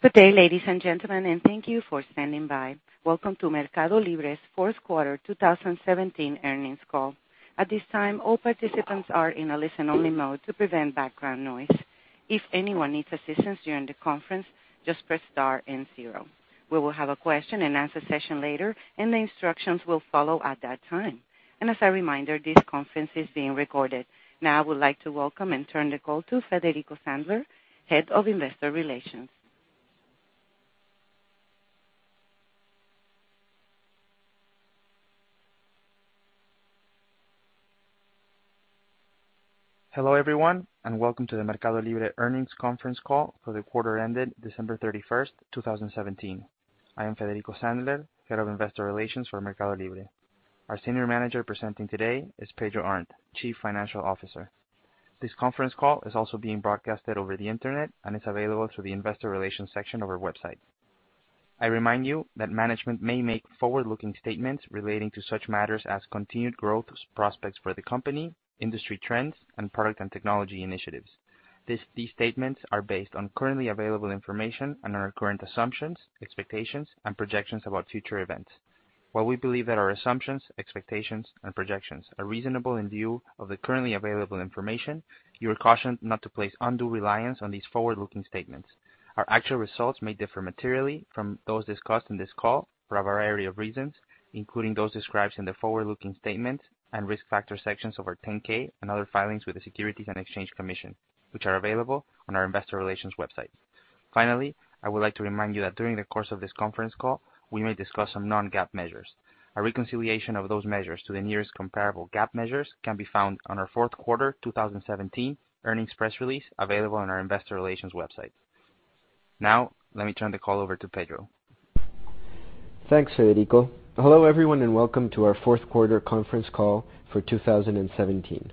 Good day, ladies and gentlemen, and thank you for standing by. Welcome to MercadoLibre's fourth quarter 2017 earnings call. At this time, all participants are in a listen-only mode to prevent background noise. If anyone needs assistance during the conference, just press star and zero. We will have a question and answer session later, and the instructions will follow at that time. As a reminder, this conference is being recorded. Now, I would like to welcome and turn the call to Federico Sandler, Head of Investor Relations. Hello, everyone, and welcome to the MercadoLibre earnings conference call for the quarter ended December 31st, 2017. I am Federico Sandler, Head of Investor Relations for MercadoLibre. Our senior manager presenting today is Pedro Arnt, Chief Financial Officer. This conference call is also being broadcasted over the internet and is available through the investor relations section of our website. I remind you that management may make forward-looking statements relating to such matters as continued growth prospects for the company, industry trends, and product and technology initiatives. These statements are based on currently available information and are our current assumptions, expectations, and projections about future events. While we believe that our assumptions, expectations, and projections are reasonable in view of the currently available information, you are cautioned not to place undue reliance on these forward-looking statements. Our actual results may differ materially from those discussed on this call for a variety of reasons, including those described in the forward-looking statements and risk factor sections of our 10-K and other filings with the Securities and Exchange Commission, which are available on our investor relations website. Finally, I would like to remind you that during the course of this conference call, we may discuss some non-GAAP measures. A reconciliation of those measures to the nearest comparable GAAP measures can be found on our fourth quarter 2017 earnings press release, available on our investor relations website. Now, let me turn the call over to Pedro. Thanks, Federico. Hello, everyone, and welcome to our fourth quarter conference call for 2017.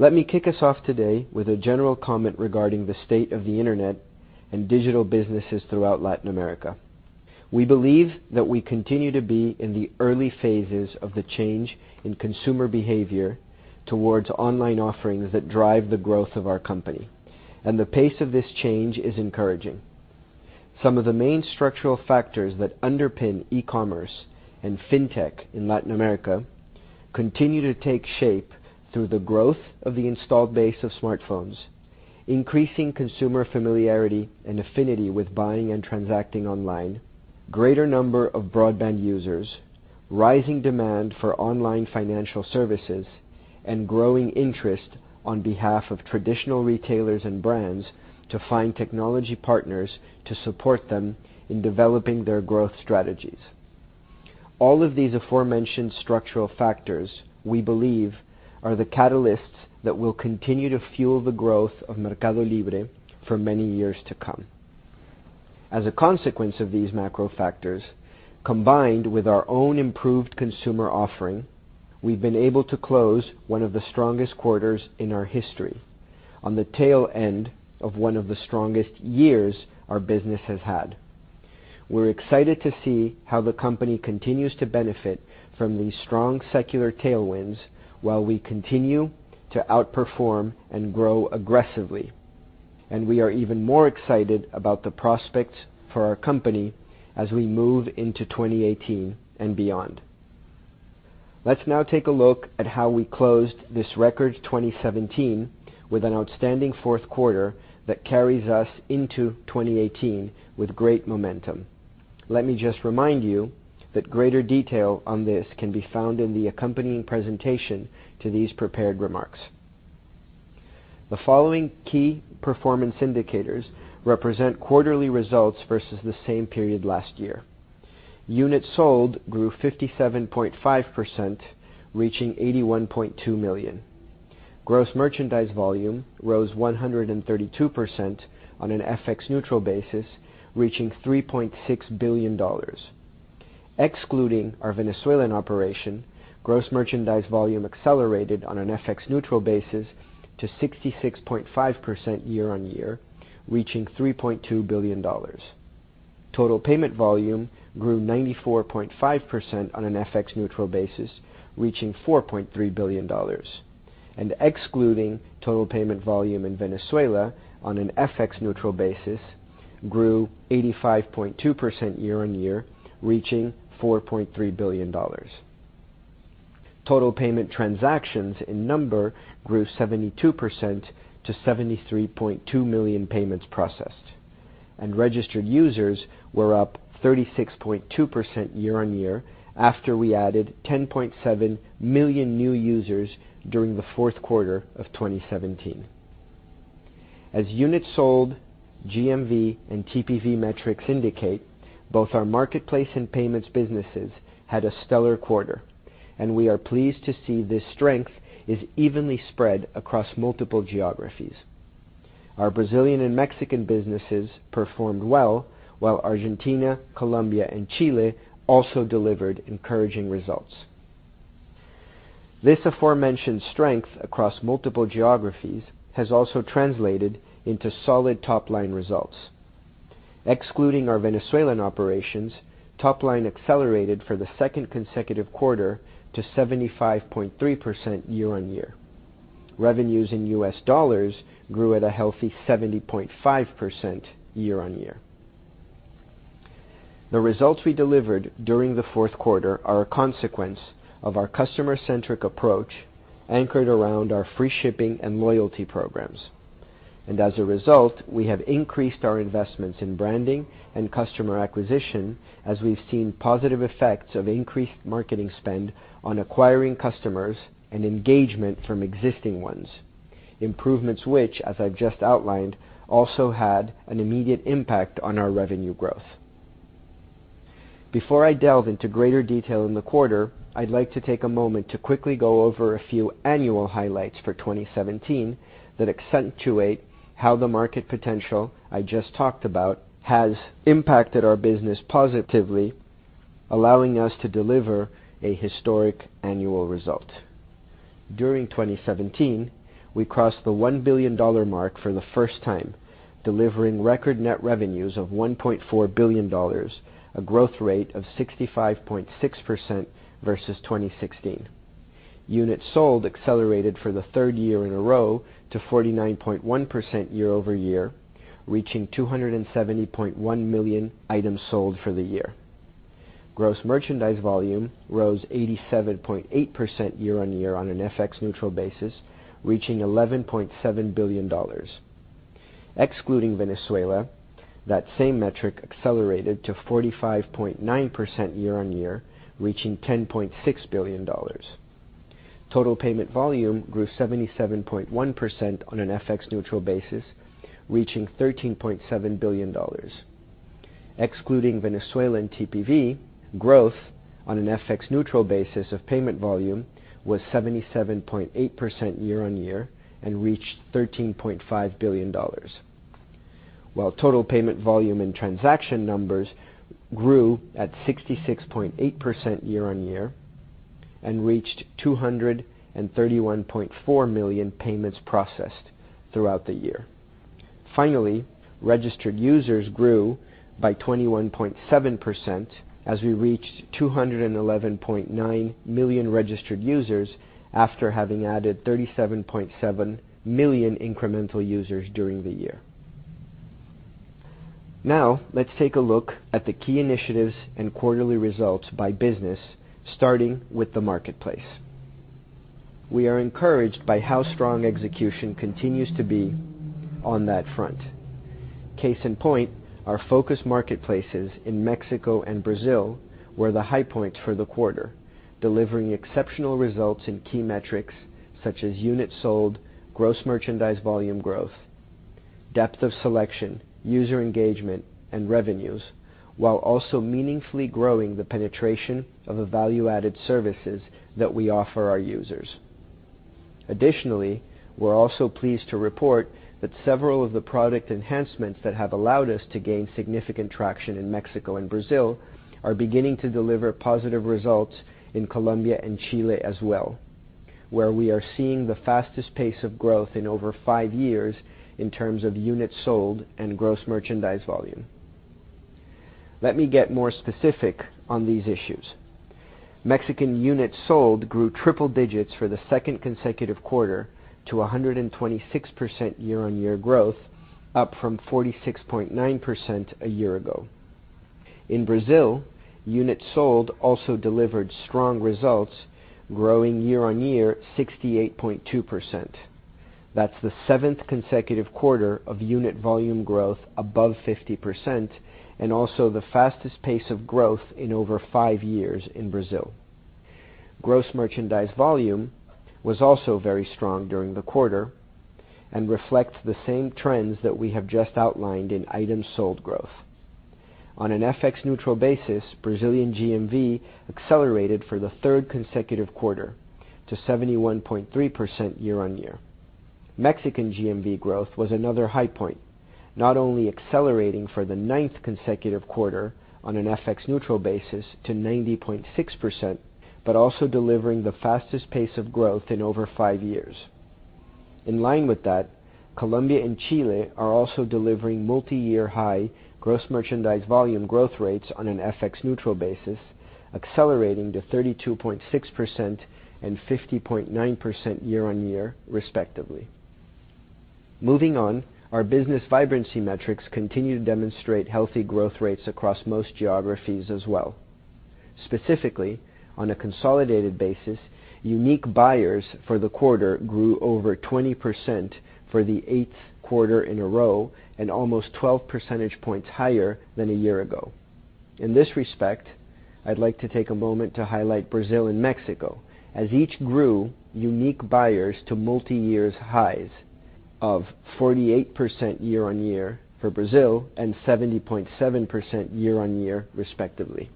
Let me kick us off today with a general comment regarding the state of the internet and digital businesses throughout Latin America. We believe that we continue to be in the early phases of the change in consumer behavior towards online offerings that drive the growth of our company. The pace of this change is encouraging. Some of the main structural factors that underpin e-commerce and fintech in Latin America continue to take shape through the growth of the installed base of smartphones, increasing consumer familiarity and affinity with buying and transacting online, greater number of broadband users, rising demand for online financial services, and growing interest on behalf of traditional retailers and brands to find technology partners to support them in developing their growth strategies. All of these aforementioned structural factors, we believe, are the catalysts that will continue to fuel the growth of MercadoLibre for many years to come. As a consequence of these macro factors, combined with our own improved consumer offering, we've been able to close one of the strongest quarters in our history on the tail end of one of the strongest years our business has had. We're excited to see how the company continues to benefit from these strong secular tailwinds while we continue to outperform and grow aggressively. We are even more excited about the prospects for our company as we move into 2018 and beyond. Let's now take a look at how we closed this record 2017 with an outstanding fourth quarter that carries us into 2018 with great momentum. Let me just remind you that greater detail on this can be found in the accompanying presentation to these prepared remarks. The following key performance indicators represent quarterly results versus the same period last year. Units sold grew 57.5%, reaching 81.2 million. Gross merchandise volume rose 132% on an FX-neutral basis, reaching $3.6 billion. Excluding our Venezuelan operation, gross merchandise volume accelerated on an FX-neutral basis to 66.5% year-on-year, reaching $3.2 billion. Excluding total payment volume in Venezuela on an FX-neutral basis grew 85.2% year-on-year, reaching $4.3 billion. Total payment transactions in number grew 72% to 73.2 million payments processed. Registered users were up 36.2% year-on-year after we added 10.7 million new users during the fourth quarter of 2017. As units sold GMV and TPV metrics indicate, both our marketplace and payments businesses had a stellar quarter, and we are pleased to see this strength is evenly spread across multiple geographies. Our Brazilian and Mexican businesses performed well, while Argentina, Colombia, and Chile also delivered encouraging results. This aforementioned strength across multiple geographies has also translated into solid top-line results. Excluding our Venezuelan operations, top line accelerated for the second consecutive quarter to 75.3% year-on-year. Revenues in U.S. dollars grew at a healthy 70.5% year-on-year. The results we delivered during the fourth quarter are a consequence of our customer-centric approach anchored around our free shipping and loyalty programs. As a result, we have increased our investments in branding and customer acquisition as we've seen positive effects of increased marketing spend on acquiring customers and engagement from existing ones. Improvements which, as I've just outlined, also had an immediate impact on our revenue growth. Before I delve into greater detail in the quarter, I'd like to take a moment to quickly go over a few annual highlights for 2017 that accentuate how the market potential I just talked about has impacted our business positively, allowing us to deliver a historic annual result. During 2017, we crossed the $1 billion mark for the first time, delivering record net revenues of $1.4 billion, a growth rate of 65.6% versus 2016. Units sold accelerated for the third year in a row to 49.1% year-over-year, reaching 270.1 million items sold for the year. Gross merchandise volume rose 87.8% year-on-year on an FX-neutral basis, reaching $11.7 billion. Excluding Venezuela, that same metric accelerated to 45.9% year-on-year, reaching $10.6 billion. Total payment volume grew 77.1% on an FX-neutral basis, reaching $13.7 billion. Excluding Venezuelan TPV, growth on an FX-neutral basis of payment volume was 77.8% year-on-year and reached $13.5 billion. Total payment volume and transaction numbers grew at 66.8% year-on-year and reached 231.4 million payments processed throughout the year. Finally, registered users grew by 21.7% as we reached 211.9 million registered users after having added 37.7 million incremental users during the year. Let's take a look at the key initiatives and quarterly results by business, starting with the marketplace. We are encouraged by how strong execution continues to be on that front. Case in point, our focus marketplaces in Mexico and Brazil were the high points for the quarter, delivering exceptional results in key metrics such as units sold, gross merchandise volume growth, depth of selection, user engagement, and revenues, while also meaningfully growing the penetration of the value-added services that we offer our users. We're also pleased to report that several of the product enhancements that have allowed us to gain significant traction in Mexico and Brazil are beginning to deliver positive results in Colombia and Chile as well, where we are seeing the fastest pace of growth in over five years in terms of units sold and gross merchandise volume. Let me get more specific on these issues. Mexican units sold grew triple digits for the second consecutive quarter to 126% year-on-year growth, up from 46.9% a year ago. In Brazil, units sold also delivered strong results, growing year-on-year 68.2%. That's the seventh consecutive quarter of unit volume growth above 50% and also the fastest pace of growth in over five years in Brazil. Gross merchandise volume was also very strong during the quarter and reflects the same trends that we have just outlined in items sold growth. On an FX-neutral basis, Brazilian GMV accelerated for the third consecutive quarter to 71.3% year-on-year. Mexican GMV growth was another high point, not only accelerating for the ninth consecutive quarter on an FX-neutral basis to 90.6%, but also delivering the fastest pace of growth in over five years. In line with that, Colombia and Chile are also delivering multi-year high gross merchandise volume growth rates on an FX-neutral basis, accelerating to 32.6% and 50.9% year-on-year respectively. Our business vibrancy metrics continue to demonstrate healthy growth rates across most geographies as well. On a consolidated basis, unique buyers for the quarter grew over 20% for the eighth quarter in a row and almost 12 percentage points higher than a year ago. In this respect, I'd like to take a moment to highlight Brazil and Mexico as each grew unique buyers to multi-year highs of 40.8% year-on-year for Brazil and 70.7% year-on-year respectively.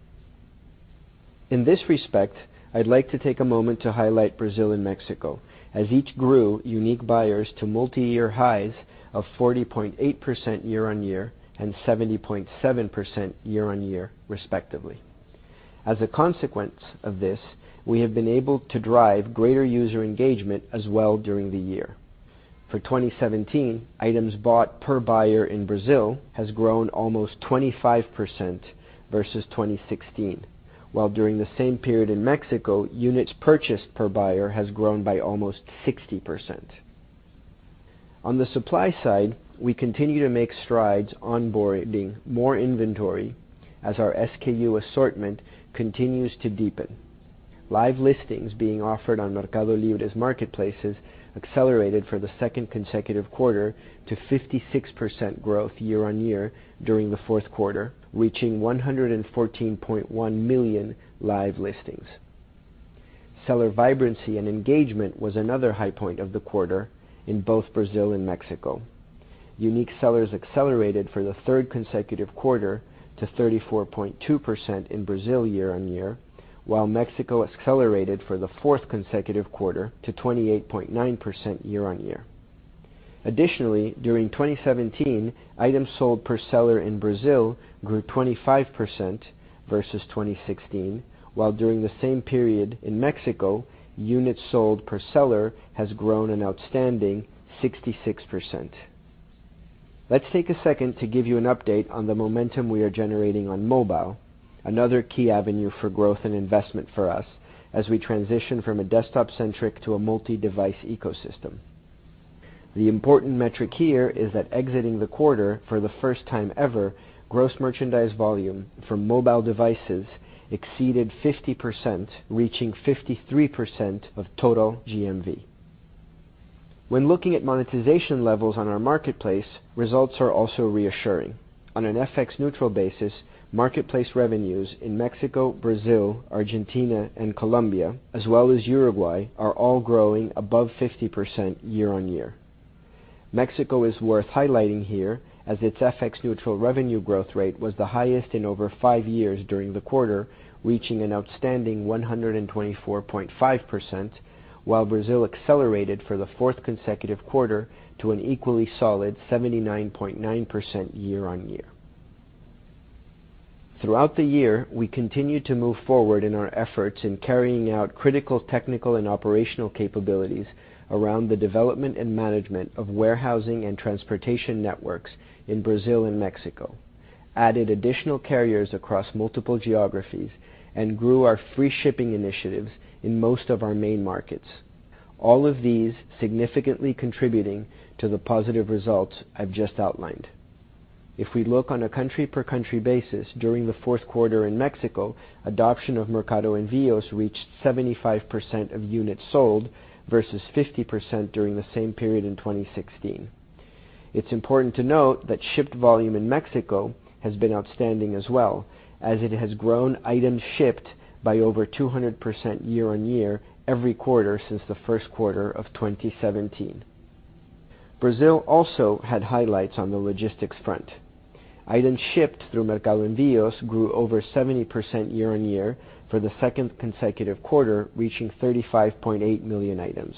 In this respect, I'd like to take a moment to highlight Brazil and Mexico as each grew unique buyers to multi-year highs of 40.8% year-on-year and 70.7% year-on-year respectively. As a consequence of this, we have been able to drive greater user engagement as well during the year. For 2017, items bought per buyer in Brazil has grown almost 25% versus 2016, while during the same period in Mexico, units purchased per buyer has grown by almost 60%. On the supply side, we continue to make strides onboarding more inventory as our SKU assortment continues to deepen. Live listings being offered on MercadoLibre's marketplaces accelerated for the second consecutive quarter to 56% growth year-over-year during the fourth quarter, reaching 114.1 million live listings. Seller vibrancy and engagement was another high point of the quarter in both Brazil and Mexico. Unique sellers accelerated for the third consecutive quarter to 34.2% in Brazil year-over-year, while Mexico accelerated for the fourth consecutive quarter to 28.9% year-over-year. Additionally, during 2017, items sold per seller in Brazil grew 25% versus 2016, while during the same period in Mexico, units sold per seller has grown an outstanding 66%. Let's take a second to give you an update on the momentum we are generating on mobile, another key avenue for growth and investment for us as we transition from a desktop-centric to a multi-device ecosystem. The important metric here is that exiting the quarter, for the first time ever, gross merchandise volume from mobile devices exceeded 50%, reaching 53% of total GMV. When looking at monetization levels on our marketplace, results are also reassuring. On an FX-neutral basis, marketplace revenues in Mexico, Brazil, Argentina, and Colombia, as well as Uruguay, are all growing above 50% year-over-year. Mexico is worth highlighting here as its FX-neutral revenue growth rate was the highest in over five years during the quarter, reaching an outstanding 124.5%, while Brazil accelerated for the fourth consecutive quarter to an equally solid 79.9% year-over-year. Throughout the year, we continued to move forward in our efforts in carrying out critical technical and operational capabilities around the development and management of warehousing and transportation networks in Brazil and Mexico, added additional carriers across multiple geographies, and grew our free shipping initiatives in most of our main markets, all of these significantly contributing to the positive results I've just outlined. If we look on a country-per-country basis, during the fourth quarter in Mexico, adoption of Mercado Envíos reached 75% of units sold versus 50% during the same period in 2016. It's important to note that shipped volume in Mexico has been outstanding as well as it has grown items shipped by over 200% year-over-year every quarter since the first quarter of 2017. Brazil also had highlights on the logistics front. Items shipped through Mercado Envíos grew over 70% year-over-year for the second consecutive quarter, reaching 35.8 million items.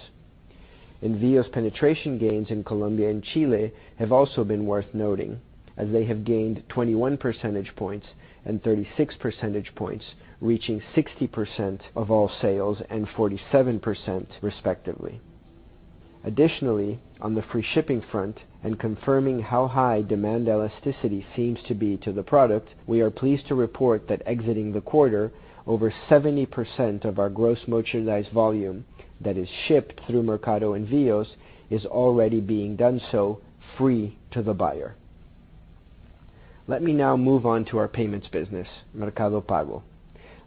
Envíos penetration gains in Colombia and Chile have also been worth noting, as they have gained 21 percentage points and 36 percentage points, reaching 60% of all sales and 47%, respectively. Additionally, on the free shipping front and confirming how high demand elasticity seems to be to the product, we are pleased to report that exiting the quarter, over 70% of our gross merchandise volume that is shipped through Mercado Envíos is already being done so free to the buyer. Let me now move on to our payments business, Mercado Pago.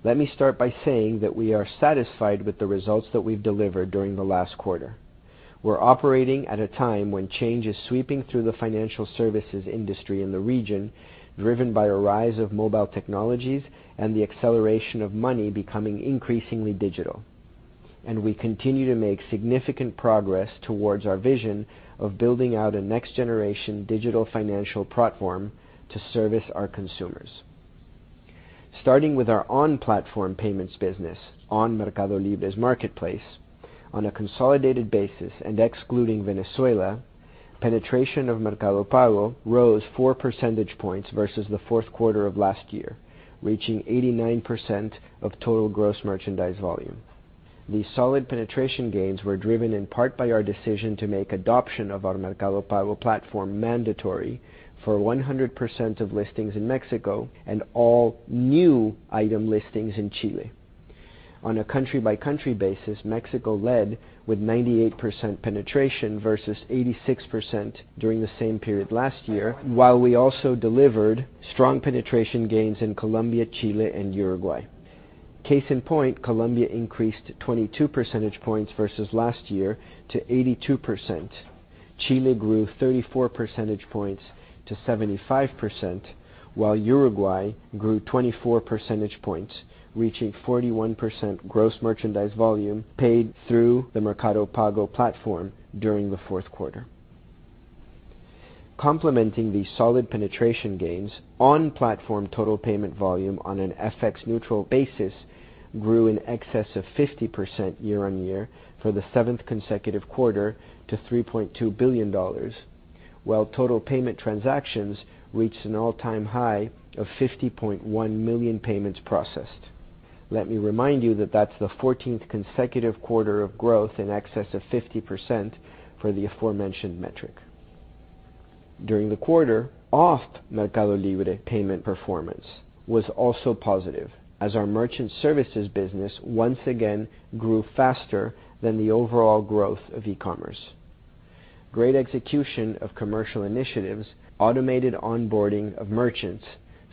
Let me start by saying that we are satisfied with the results that we've delivered during the last quarter. We're operating at a time when change is sweeping through the financial services industry in the region, driven by a rise of mobile technologies and the acceleration of money becoming increasingly digital. We continue to make significant progress towards our vision of building out a next-generation digital financial platform to service our consumers. Starting with our on-platform payments business on MercadoLibre's marketplace, on a consolidated basis and excluding Venezuela, penetration of Mercado Pago rose four percentage points versus the fourth quarter of last year, reaching 89% of total gross merchandise volume. These solid penetration gains were driven in part by our decision to make adoption of our Mercado Pago platform mandatory for 100% of listings in Mexico and all new item listings in Chile. On a country-by-country basis, Mexico led with 98% penetration versus 86% during the same period last year, while we also delivered strong penetration gains in Colombia, Chile, and Uruguay. Case in point, Colombia increased 22 percentage points versus last year to 82%. Chile grew 34 percentage points to 75%, while Uruguay grew 24 percentage points, reaching 41% gross merchandise volume paid through the Mercado Pago platform during the fourth quarter. Complementing these solid penetration gains, on-platform total payment volume on an FX-neutral basis grew in excess of 50% year-on-year for the seventh consecutive quarter to $3.2 billion. Total payment transactions reached an all-time high of 50.1 million payments processed. Let me remind you that that's the 14th consecutive quarter of growth in excess of 50% for the aforementioned metric. During the quarter, off MercadoLibre payment performance was also positive as our merchant services business once again grew faster than the overall growth of e-commerce. Great execution of commercial initiatives, automated onboarding of merchants,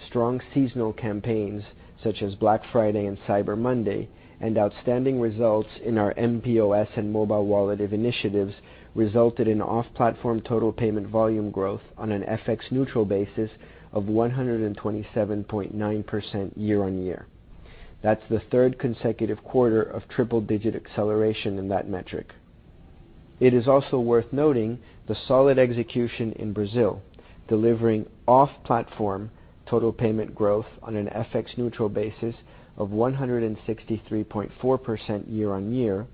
strong seasonal campaigns such as Black Friday and Cyber Monday, and outstanding results in our mPOS and mobile wallet initiatives resulted in off-platform total payment volume growth on an FX-neutral basis of 127.9% year-on-year. That's the third consecutive quarter of triple-digit acceleration in that metric. It is also worth noting the solid execution in Brazil, delivering off-platform total payment growth on an FX-neutral basis of 163.4% year-on-year,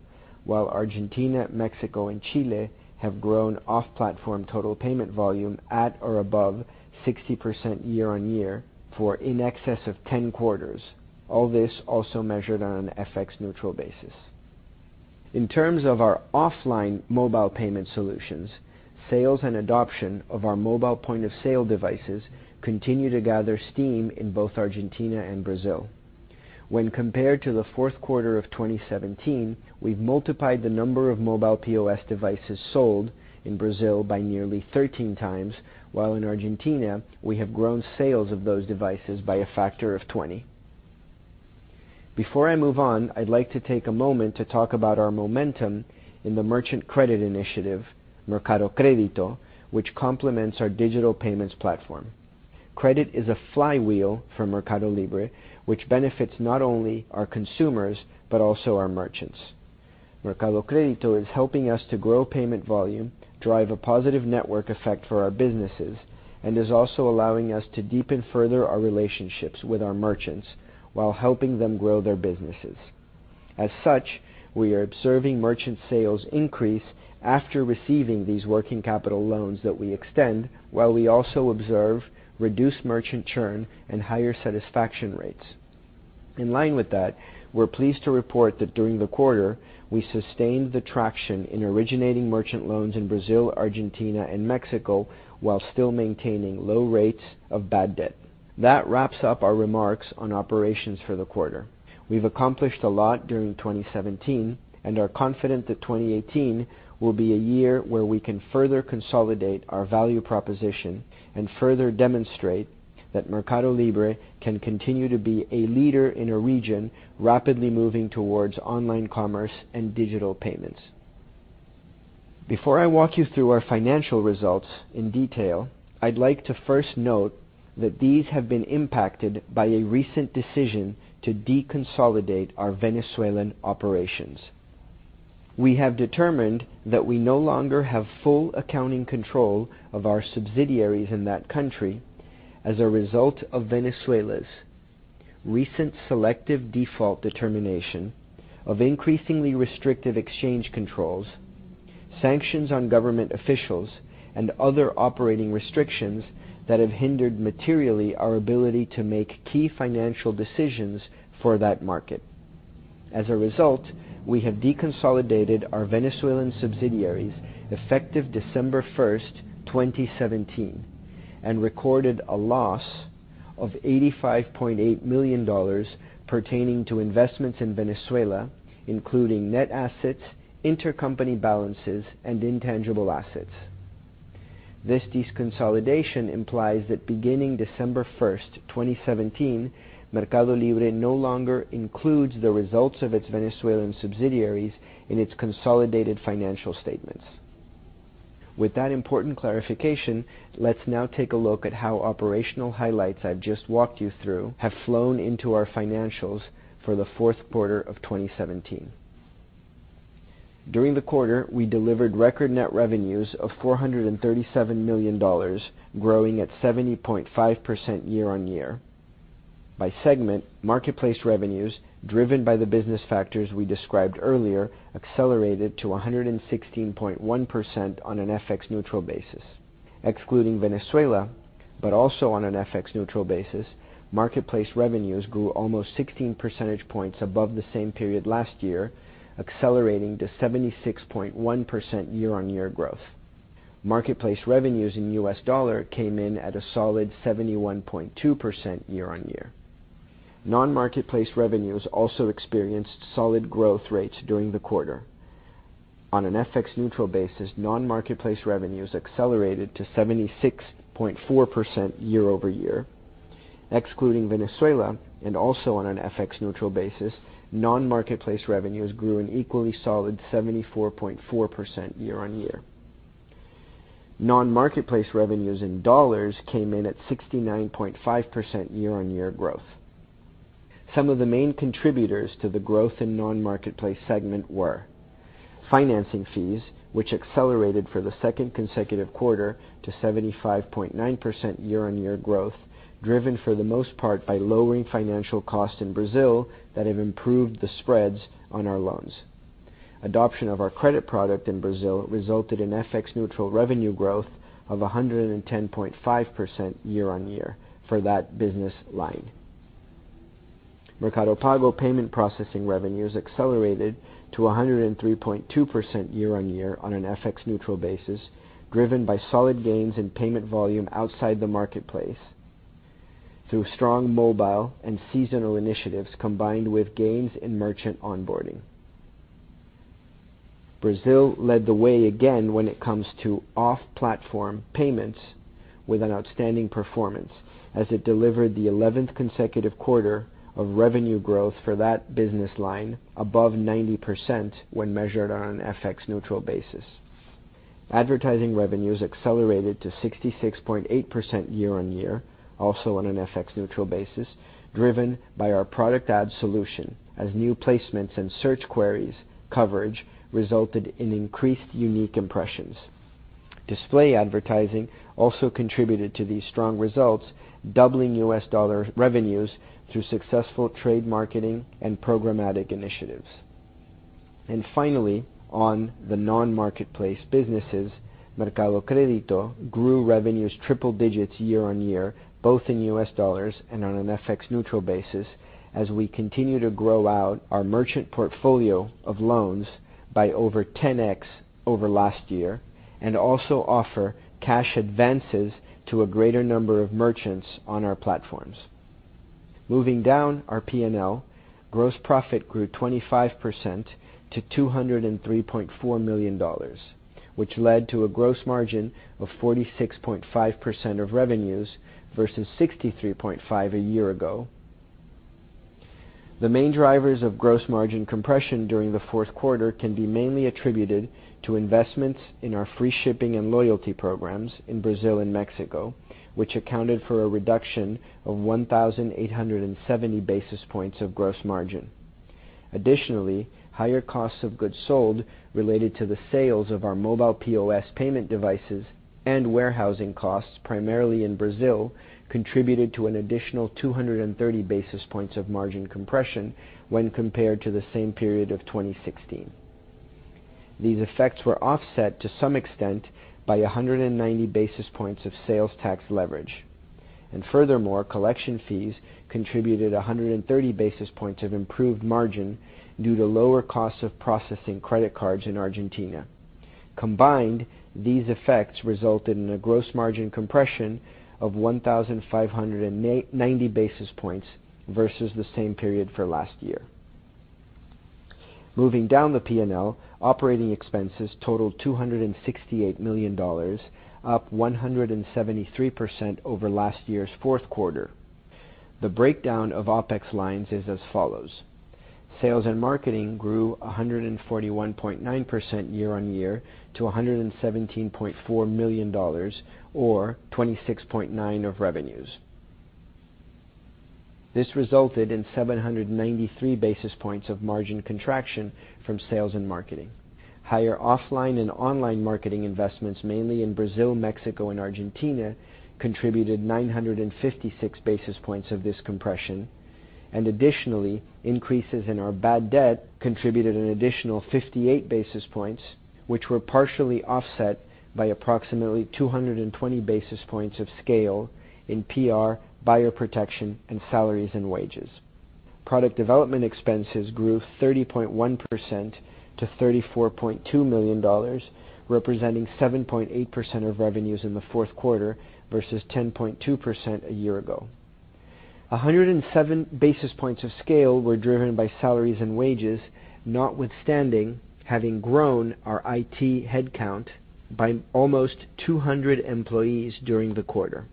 while Argentina, Mexico, and Chile have grown off-platform total payment volume at or above 60% year-on-year for in excess of 10 quarters. All this also measured on an FX-neutral basis. In terms of our offline mobile payment solutions, sales and adoption of our mobile point-of-sale devices continue to gather steam in both Argentina and Brazil. When compared to the fourth quarter of 2016, we've multiplied the number of mobile POS devices sold in Brazil by nearly 13 times, while in Argentina, we have grown sales of those devices by a factor of 20. Before I move on, I'd like to take a moment to talk about our momentum in the merchant credit initiative, Mercado Crédito, which complements our digital payments platform. Credit is a flywheel for MercadoLibre, which benefits not only our consumers, but also our merchants. Mercado Crédito is helping us to grow payment volume, drive a positive network effect for our businesses, is also allowing us to deepen further our relationships with our merchants while helping them grow their businesses. As such, we are observing merchant sales increase after receiving these working capital loans that we extend, while we also observe reduced merchant churn and higher satisfaction rates. In line with that, we're pleased to report that during the quarter, we sustained the traction in originating merchant loans in Brazil, Argentina, and Mexico, while still maintaining low rates of bad debt. That wraps up our remarks on operations for the quarter. We've accomplished a lot during 2017 and are confident that 2018 will be a year where we can further consolidate our value proposition and further demonstrate that MercadoLibre can continue to be a leader in a region rapidly moving towards online commerce and digital payments. Before I walk you through our financial results in detail, I'd like to first note that these have been impacted by a recent decision to deconsolidate our Venezuelan operations. We have determined that we no longer have full accounting control of our subsidiaries in that country as a result of Venezuela's recent selective default determination of increasingly restrictive exchange controls, sanctions on government officials, and other operating restrictions that have hindered materially our ability to make key financial decisions for that market. As a result, we have deconsolidated our Venezuelan subsidiaries effective December 1st, 2017, and recorded a loss of $85.8 million pertaining to investments in Venezuela, including net assets, intercompany balances, and intangible assets. This deconsolidation implies that beginning December 1st, 2017, MercadoLibre no longer includes the results of its Venezuelan subsidiaries in its consolidated financial statements. With that important clarification, let's now take a look at how operational highlights I've just walked you through have flown into our financials for the fourth quarter of 2017. During the quarter, we delivered record net revenues of $437 million, growing at 70.5% year-on-year. By segment, marketplace revenues, driven by the business factors we described earlier, accelerated to 116.1% on an FX-neutral basis. Excluding Venezuela, but also on an FX-neutral basis, marketplace revenues grew almost 16 percentage points above the same period last year, accelerating to 76.1% year-on-year growth. Marketplace revenues in U.S. dollar came in at a solid 71.2% year-on-year. Non-marketplace revenues also experienced solid growth rates during the quarter. On an FX-neutral basis, non-marketplace revenues accelerated to 76.4% year-over-year. Excluding Venezuela, and also on an FX-neutral basis, non-marketplace revenues grew an equally solid 74.4% year-on-year. Non-marketplace revenues in dollars came in at 69.5% year-on-year growth. Some of the main contributors to the growth in non-marketplace segment were financing fees, which accelerated for the second consecutive quarter to 75.9% year-on-year growth, driven for the most part by lowering financial costs in Brazil that have improved the spreads on our loans. Adoption of our credit product in Brazil resulted in FX-neutral revenue growth of 110.5% year-on-year for that business line. Mercado Pago payment processing revenues accelerated to 103.2% year-on-year on an FX-neutral basis, driven by solid gains in payment volume outside the marketplace through strong mobile and seasonal initiatives, combined with gains in merchant onboarding. Brazil led the way again when it comes to off-platform payments with an outstanding performance as it delivered the 11th consecutive quarter of revenue growth for that business line above 90% when measured on an FX-neutral basis. Advertising revenues accelerated to 66.8% year-on-year, also on an FX-neutral basis, driven by our product ad solution as new placements and search queries coverage resulted in increased unique impressions. Display advertising also contributed to these strong results, doubling US dollar revenues through successful trade marketing and programmatic initiatives. Finally, on the non-marketplace businesses, Mercado Crédito grew revenues triple digits year-on-year, both in US dollars and on an FX-neutral basis as we continue to grow out our merchant portfolio of loans by over 10x over last year and also offer cash advances to a greater number of merchants on our platforms. Moving down our P&L, gross profit grew 25% to $203.4 million, which led to a gross margin of 46.5% of revenues versus 63.5% a year ago. The main drivers of gross margin compression during the fourth quarter can be mainly attributed to investments in our free shipping and loyalty programs in Brazil and Mexico, which accounted for a reduction of 1,870 basis points of gross margin. Additionally, higher costs of goods sold related to the sales of our mPOS payment devices and warehousing costs, primarily in Brazil, contributed to an additional 230 basis points of margin compression when compared to the same period of 2016. These effects were offset to some extent by 190 basis points of sales tax leverage. Furthermore, collection fees contributed 130 basis points of improved margin due to lower costs of processing credit cards in Argentina. Combined, these effects resulted in a gross margin compression of 1,590 basis points versus the same period for last year. Moving down the P&L, operating expenses totaled $268 million, up 173% over last year's fourth quarter. The breakdown of OpEx lines is as follows. Sales and marketing grew 141.9% year-on-year to $117.4 million, or 26.9% of revenues. This resulted in 793 basis points of margin contraction from sales and marketing. Higher offline and online marketing investments, mainly in Brazil, Mexico, and Argentina, contributed 956 basis points of this compression, and additionally, increases in our bad debt contributed an additional 58 basis points, which were partially offset by approximately 220 basis points of scale in PR, buyer protection, and salaries and wages. Product development expenses grew 30.1% to $34.2 million, representing 7.8% of revenues in the fourth quarter versus 10.2% a year ago. 107 basis points of scale were driven by salaries and wages, notwithstanding having grown our IT headcount by almost 200 employees during the quarter.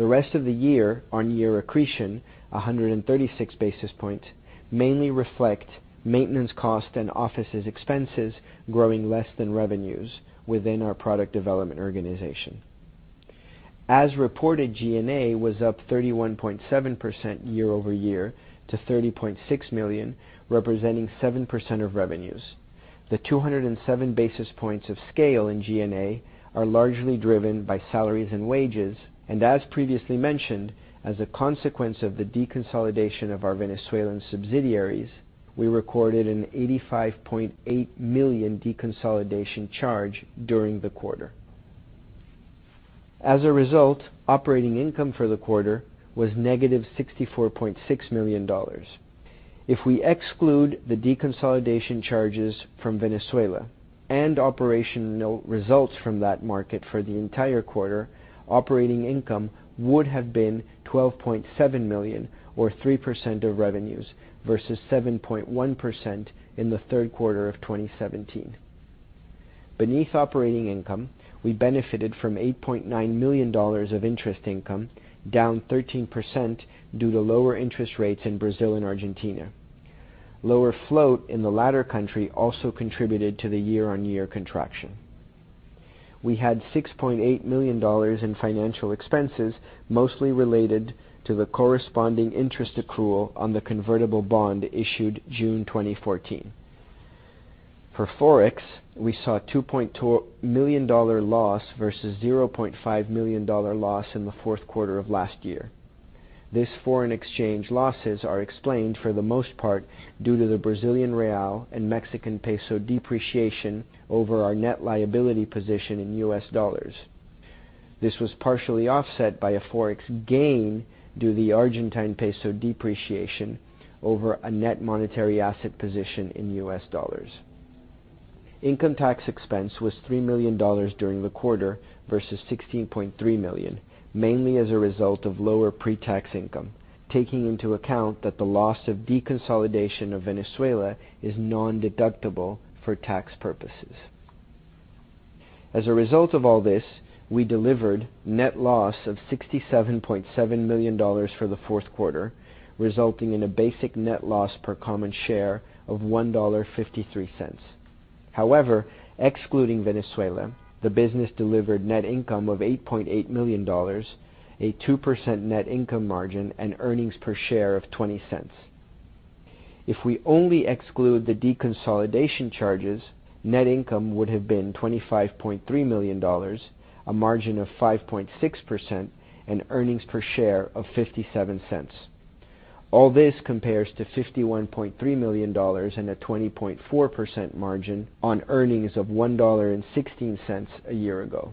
The rest of the year-on-year accretion, 136 basis points, mainly reflect maintenance cost and offices expenses growing less than revenues within our product development organization. As reported, G&A was up 31.7% year-over-year to $30.6 million, representing 7% of revenues. The 207 basis points of scale in G&A are largely driven by salaries and wages, and as previously mentioned, as a consequence of the deconsolidation of our Venezuelan subsidiaries, we recorded an $85.8 million deconsolidation charge during the quarter. As a result, operating income for the quarter was negative $64.6 million. If we exclude the deconsolidation charges from Venezuela and operational results from that market for the entire quarter, operating income would have been $12.7 million or 3% of revenues versus 7.1% in the third quarter of 2017. Beneath operating income, we benefited from $8.9 million of interest income, down 13% due to lower interest rates in Brazil and Argentina. Lower float in the latter country also contributed to the year-on-year contraction. We had $6.8 million in financial expenses, mostly related to the corresponding interest accrual on the convertible bond issued June 2014. For Forex, we saw a $2.2 million loss versus a $0.5 million loss in the fourth quarter of last year. These foreign exchange losses are explained, for the most part, due to the BRL and MXN depreciation over our net liability position in USD. This was partially offset by a Forex gain due to the ARS depreciation over a net monetary asset position in USD. Income tax expense was $3 million during the quarter versus $16.3 million, mainly as a result of lower pre-tax income, taking into account that the loss of deconsolidation of Venezuela is non-deductible for tax purposes. As a result of all this, we delivered net loss of $67.7 million for the fourth quarter, resulting in a basic net loss per common share of $1.53. However, excluding Venezuela, the business delivered net income of $8.8 million, a 2% net income margin, and earnings per share of $0.20. If we only exclude the deconsolidation charges, net income would have been $25.3 million, a margin of 5.6%, and earnings per share of $0.57. All this compares to $51.3 million and a 20.4% margin on earnings of $1.16 a year ago.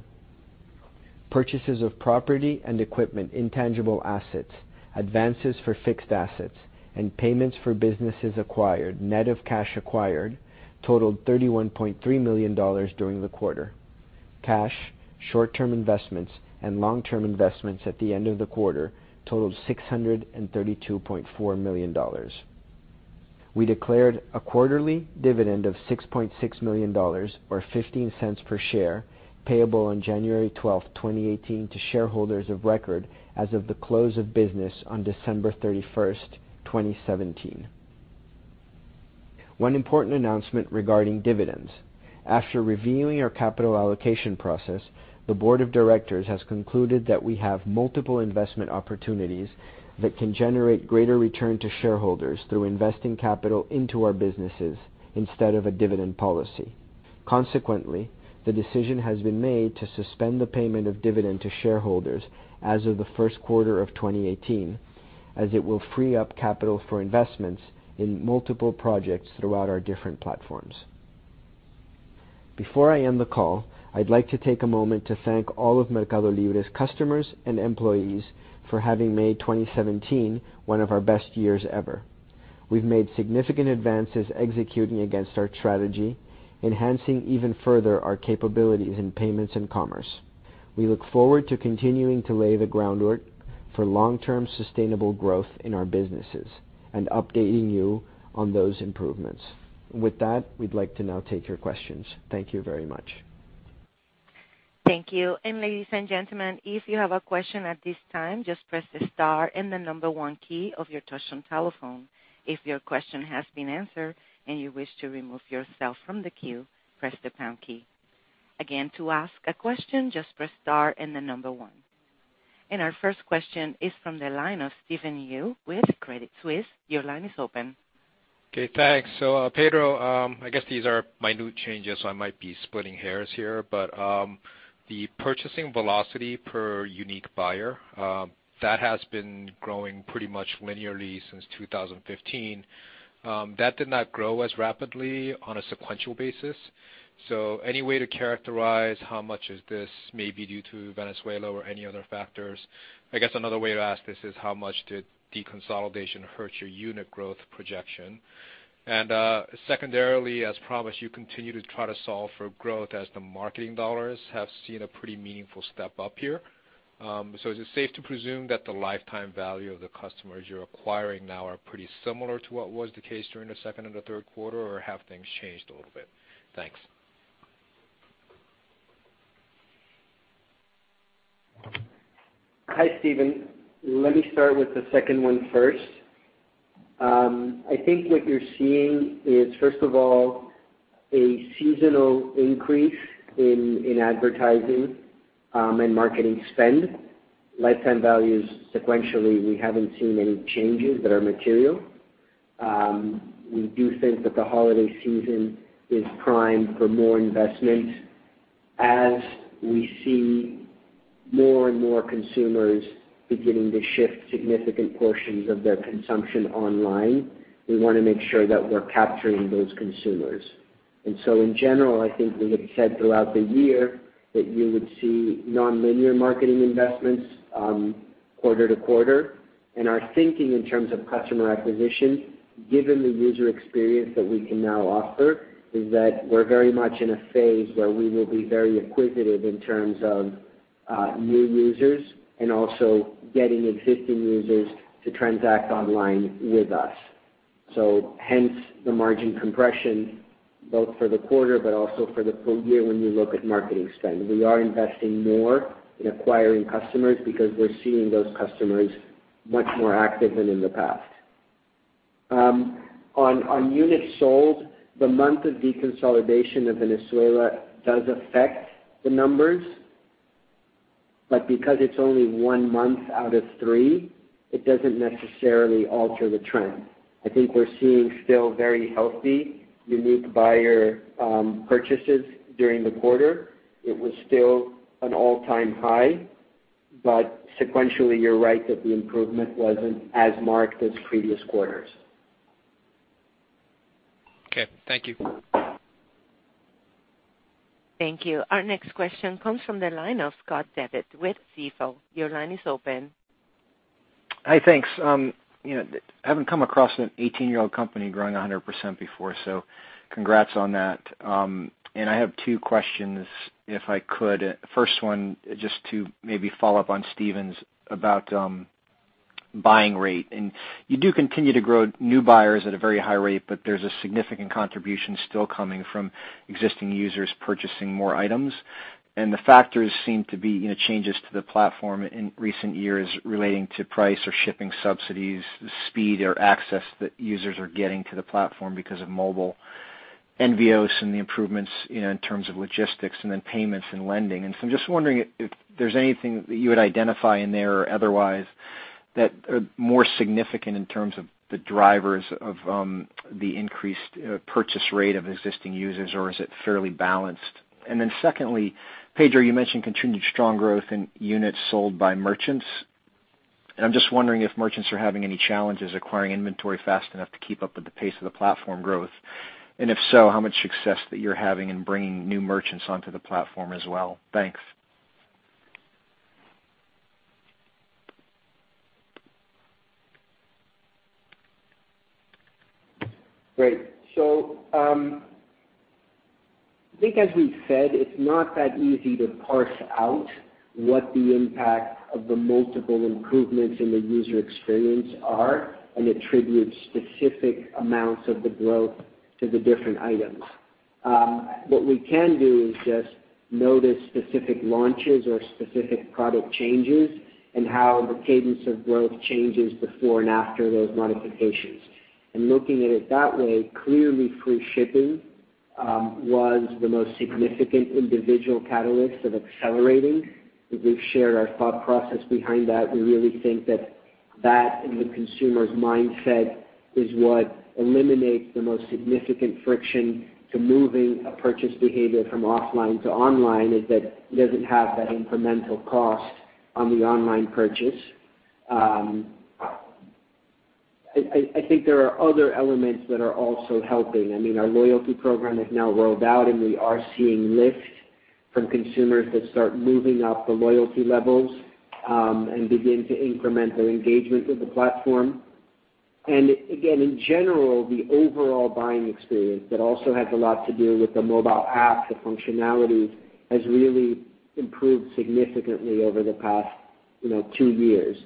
Purchases of property and equipment, intangible assets, advances for fixed assets, and payments for businesses acquired, net of cash acquired, totaled $31.3 million during the quarter. Cash, short-term investments, and long-term investments at the end of the quarter totaled $632.4 million. We declared a quarterly dividend of $6.6 million, or $0.15 per share, payable on January 12th, 2018, to shareholders of record as of the close of business on December 31st, 2017. One important announcement regarding dividends. After reviewing our capital allocation process, the board of directors has concluded that we have multiple investment opportunities that can generate greater return to shareholders through investing capital into our businesses instead of a dividend policy. Consequently, the decision has been made to suspend the payment of dividend to shareholders as of the first quarter of 2018, as it will free up capital for investments in multiple projects throughout our different platforms. Before I end the call, I'd like to take a moment to thank all of MercadoLibre's customers and employees for having made 2017 one of our best years ever. We've made significant advances executing against our strategy, enhancing even further our capabilities in payments and commerce. We look forward to continuing to lay the groundwork for long-term sustainable growth in our businesses and updating you on those improvements. With that, we'd like to now take your questions. Thank you very much. Thank you. Ladies and gentlemen, if you have a question at this time, just press the star and the number 1 key of your touchtone telephone. If your question has been answered and you wish to remove yourself from the queue, press the pound key. Again, to ask a question, just press star and the number 1. Our first question is from the line of Stephen Ju with Credit Suisse. Your line is open. Okay, thanks. Pedro, I guess these are minute changes, so I might be splitting hairs here, but the purchasing velocity per unique buyer, that has been growing pretty much linearly since 2015. That did not grow as rapidly on a sequential basis. Any way to characterize how much is this maybe due to Venezuela or any other factors? I guess another way to ask this is how much did deconsolidation hurt your unit growth projection? Secondarily, as promised, you continue to try to solve for growth as the marketing dollars have seen a pretty meaningful step-up here. Is it safe to presume that the lifetime value of the customers you're acquiring now are pretty similar to what was the case during the second and the third quarter, or have things changed a little bit? Thanks. Hi, Stephen. Let me start with the second one first. I think what you're seeing is, first of all, a seasonal increase in advertising and marketing spend. Lifetime values sequentially, we haven't seen any changes that are material. We do think that the holiday season is primed for more investment. As we see more and more consumers beginning to shift significant portions of their consumption online, we want to make sure that we're capturing those consumers. In general, I think we have said throughout the year that you would see nonlinear marketing investments quarter-to-quarter. Our thinking in terms of customer acquisition, given the user experience that we can now offer, is that we're very much in a phase where we will be very acquisitive in terms of new users and also getting existing users to transact online with us. Hence the margin compression, both for the quarter but also for the full year when you look at marketing spend. We are investing more in acquiring customers because we're seeing those customers much more active than in the past. On units sold, the month of deconsolidation of Venezuela does affect the numbers, but because it's only one month out of three, it doesn't necessarily alter the trend. I think we're seeing still very healthy unique buyer purchases during the quarter. It was still an all-time high, but sequentially, you're right that the improvement wasn't as marked as previous quarters. Okay. Thank you. Thank you. Our next question comes from the line of Scott Devitt with Stifel. Your line is open. Hi, thanks. I haven't come across an 18-year-old company growing 100% before, so congrats on that. I have two questions, if I could. First one, just to maybe follow up on Stephen's about buying rate. You do continue to grow new buyers at a very high rate, but there's a significant contribution still coming from existing users purchasing more items. The factors seem to be changes to the platform in recent years relating to price or shipping subsidies, the speed or access that users are getting to the platform because of mobile, Mercado Envíos and the improvements in terms of logistics and then payments and lending. I'm just wondering if there's anything that you would identify in there or otherwise that are more significant in terms of the drivers of the increased purchase rate of existing users or is it fairly balanced? Secondly, Pedro, you mentioned continued strong growth in units sold by merchants. I'm just wondering if merchants are having any challenges acquiring inventory fast enough to keep up with the pace of the platform growth. If so, how much success that you're having in bringing new merchants onto the platform as well. Thanks. Great. I think as we've said, it's not that easy to parse out what the impact of the multiple improvements in the user experience are and attribute specific amounts of the growth to the different items. We can do is just notice specific launches or specific product changes and how the cadence of growth changes before and after those modifications. Looking at it that way, clearly free shipping was the most significant individual catalyst of accelerating. We've shared our thought process behind that. We really think that that in the consumer's mindset is what eliminates the most significant friction to moving a purchase behavior from offline to online is that it doesn't have that incremental cost on the online purchase. There are other elements that are also helping. Our loyalty program is now rolled out, we are seeing lift from consumers that start moving up the loyalty levels and begin to increment their engagement with the platform. Again, in general, the overall buying experience that also has a lot to do with the mobile app, the functionality has really improved significantly over the past two years.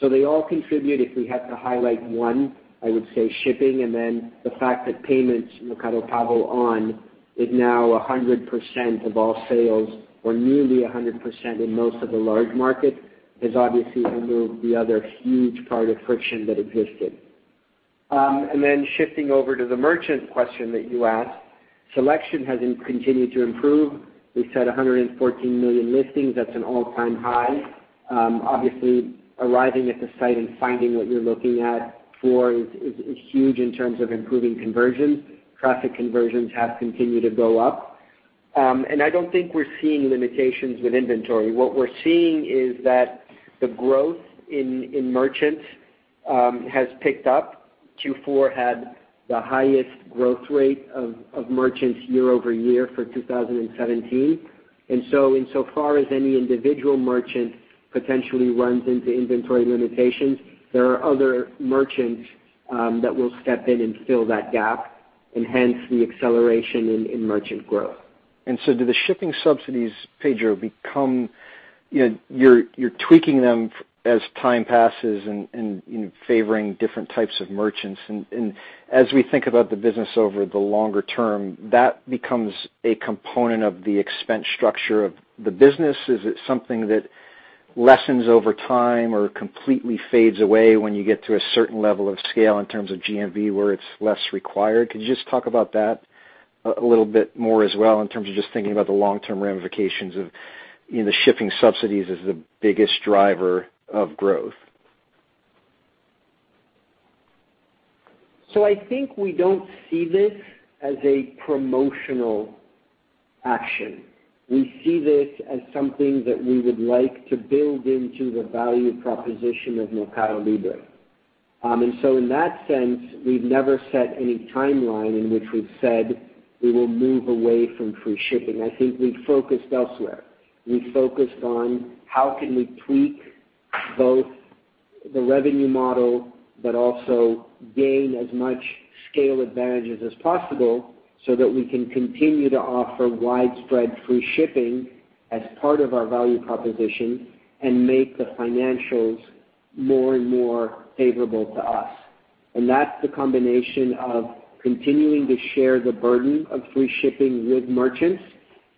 They all contribute. If we had to highlight one, I would say shipping and then the fact that payments, Mercado Pago, is now 100% of all sales or nearly 100% in most of the large markets, has obviously removed the other huge part of friction that existed. Shifting over to the merchant question that you asked, selection has continued to improve. We said 114 million listings. That's an all-time high. Obviously arriving at the site and finding what you're looking at for is huge in terms of improving conversions. Traffic conversions have continued to go up. I don't think we're seeing limitations with inventory. We're seeing is that the growth in merchants has picked up. Q4 had the highest growth rate of merchants year-over-year for 2017. Insofar as any individual merchant potentially runs into inventory limitations, there are other merchants that will step in and fill that gap, hence the acceleration in merchant growth. You're tweaking them as time passes and favoring different types of merchants. As we think about the business over the longer term, that becomes a component of the expense structure of the business. Is it something that lessens over time or completely fades away when you get to a certain level of scale in terms of GMV where it's less required? Could you just talk about that a little bit more as well in terms of just thinking about the long-term ramifications of the shipping subsidies as the biggest driver of growth? I think we don't see this as a promotional action. We see this as something that we would like to build into the value proposition of Mercado Libre. In that sense, we've never set any timeline in which we've said we will move away from free shipping. I think we've focused elsewhere. We've focused on how can we tweak both the revenue model but also gain as much scale advantages as possible so that we can continue to offer widespread free shipping as part of our value proposition and make the financials more and more favorable to us. That's the combination of continuing to share the burden of free shipping with merchants.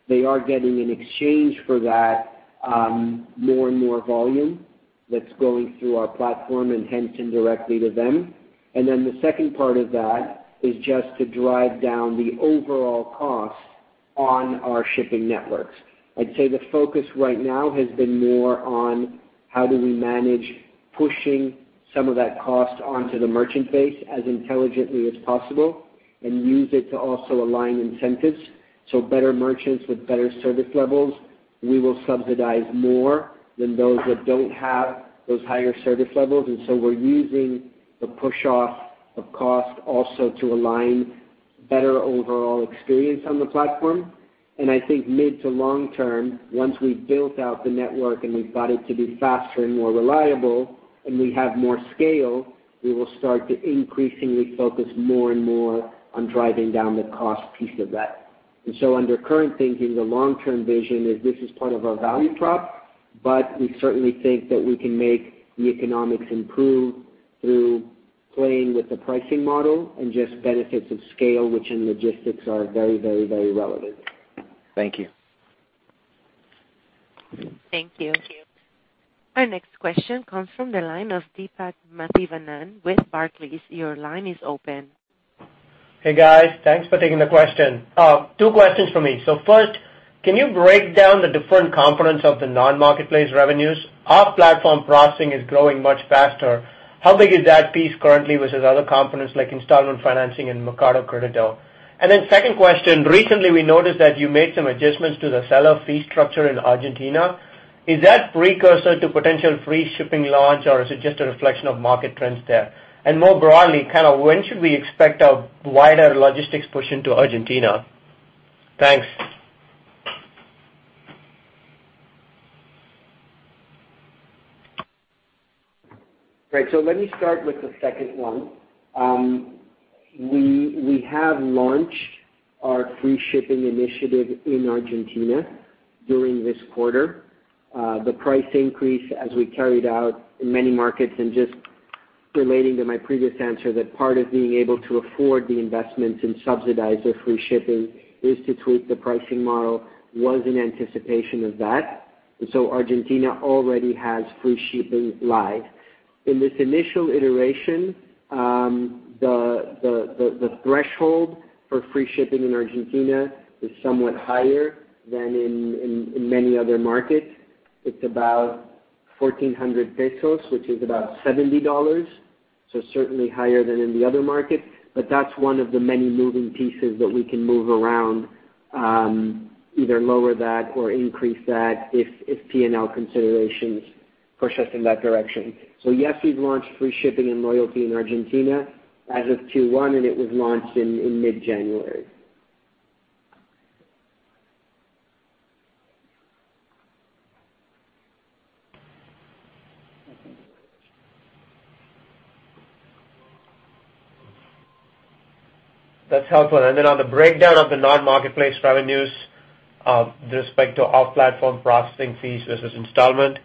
They are getting in exchange for that more and more volume that's going through our platform and hence indirectly to them. The second part of that is just to drive down the overall cost on our shipping networks. I'd say the focus right now has been more on how do we manage pushing some of that cost onto the merchant base as intelligently as possible and use it to also align incentives. Better merchants with better service levels, we will subsidize more than those that don't have those higher service levels. We're using the push-off of cost also to align better overall experience on the platform. I think mid to long term, once we've built out the network and we've got it to be faster and more reliable, and we have more scale, we will start to increasingly focus more and more on driving down the cost piece of that. Under current thinking, the long-term vision is this is part of our value prop, but we certainly think that we can make the economics improve through playing with the pricing model and just benefits of scale, which in logistics are very relevant. Thank you. Thank you. Our next question comes from the line of Deepak Mathivanan with Barclays. Your line is open. Hey, guys. Thanks for taking the question. Two questions from me. First, can you break down the different components of the non-marketplace revenues? Off-platform processing is growing much faster. How big is that piece currently versus other components like installment financing and Mercado Crédito? Second question, recently we noticed that you made some adjustments to the seller fee structure in Argentina. Is that precursor to potential free shipping launch or is it just a reflection of market trends there? More broadly, when should we expect a wider logistics push into Argentina? Thanks. Great. Let me start with the second one. We have launched our free shipping initiative in Argentina during this quarter. The price increase as we carried out in many markets, and just relating to my previous answer, that part of being able to afford the investments and subsidize the free shipping is to tweak the pricing model, was in anticipation of that. Argentina already has free shipping live. In this initial iteration, the threshold for free shipping in Argentina is somewhat higher than in many other markets. It's about 1,400 pesos, which is about $70. Certainly higher than in the other markets. But that's one of the many moving pieces that we can move around, either lower that or increase that if P&L considerations push us in that direction. Yes, we've launched free shipping and loyalty in Argentina as of Q1. It was launched in mid-January. That's helpful. Then on the breakdown of the non-marketplace revenues, with respect to off-platform processing fees versus installment.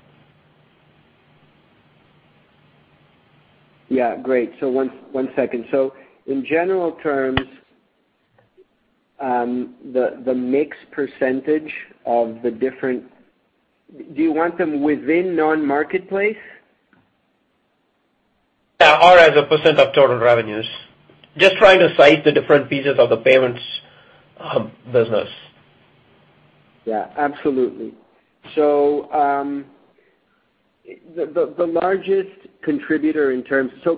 Yeah, great. One second. In general terms, the mix % of the different Do you want them within non-marketplace? Yeah, as a % of total revenues. Just trying to size the different pieces of the payments business. Yeah, absolutely. The largest contributor,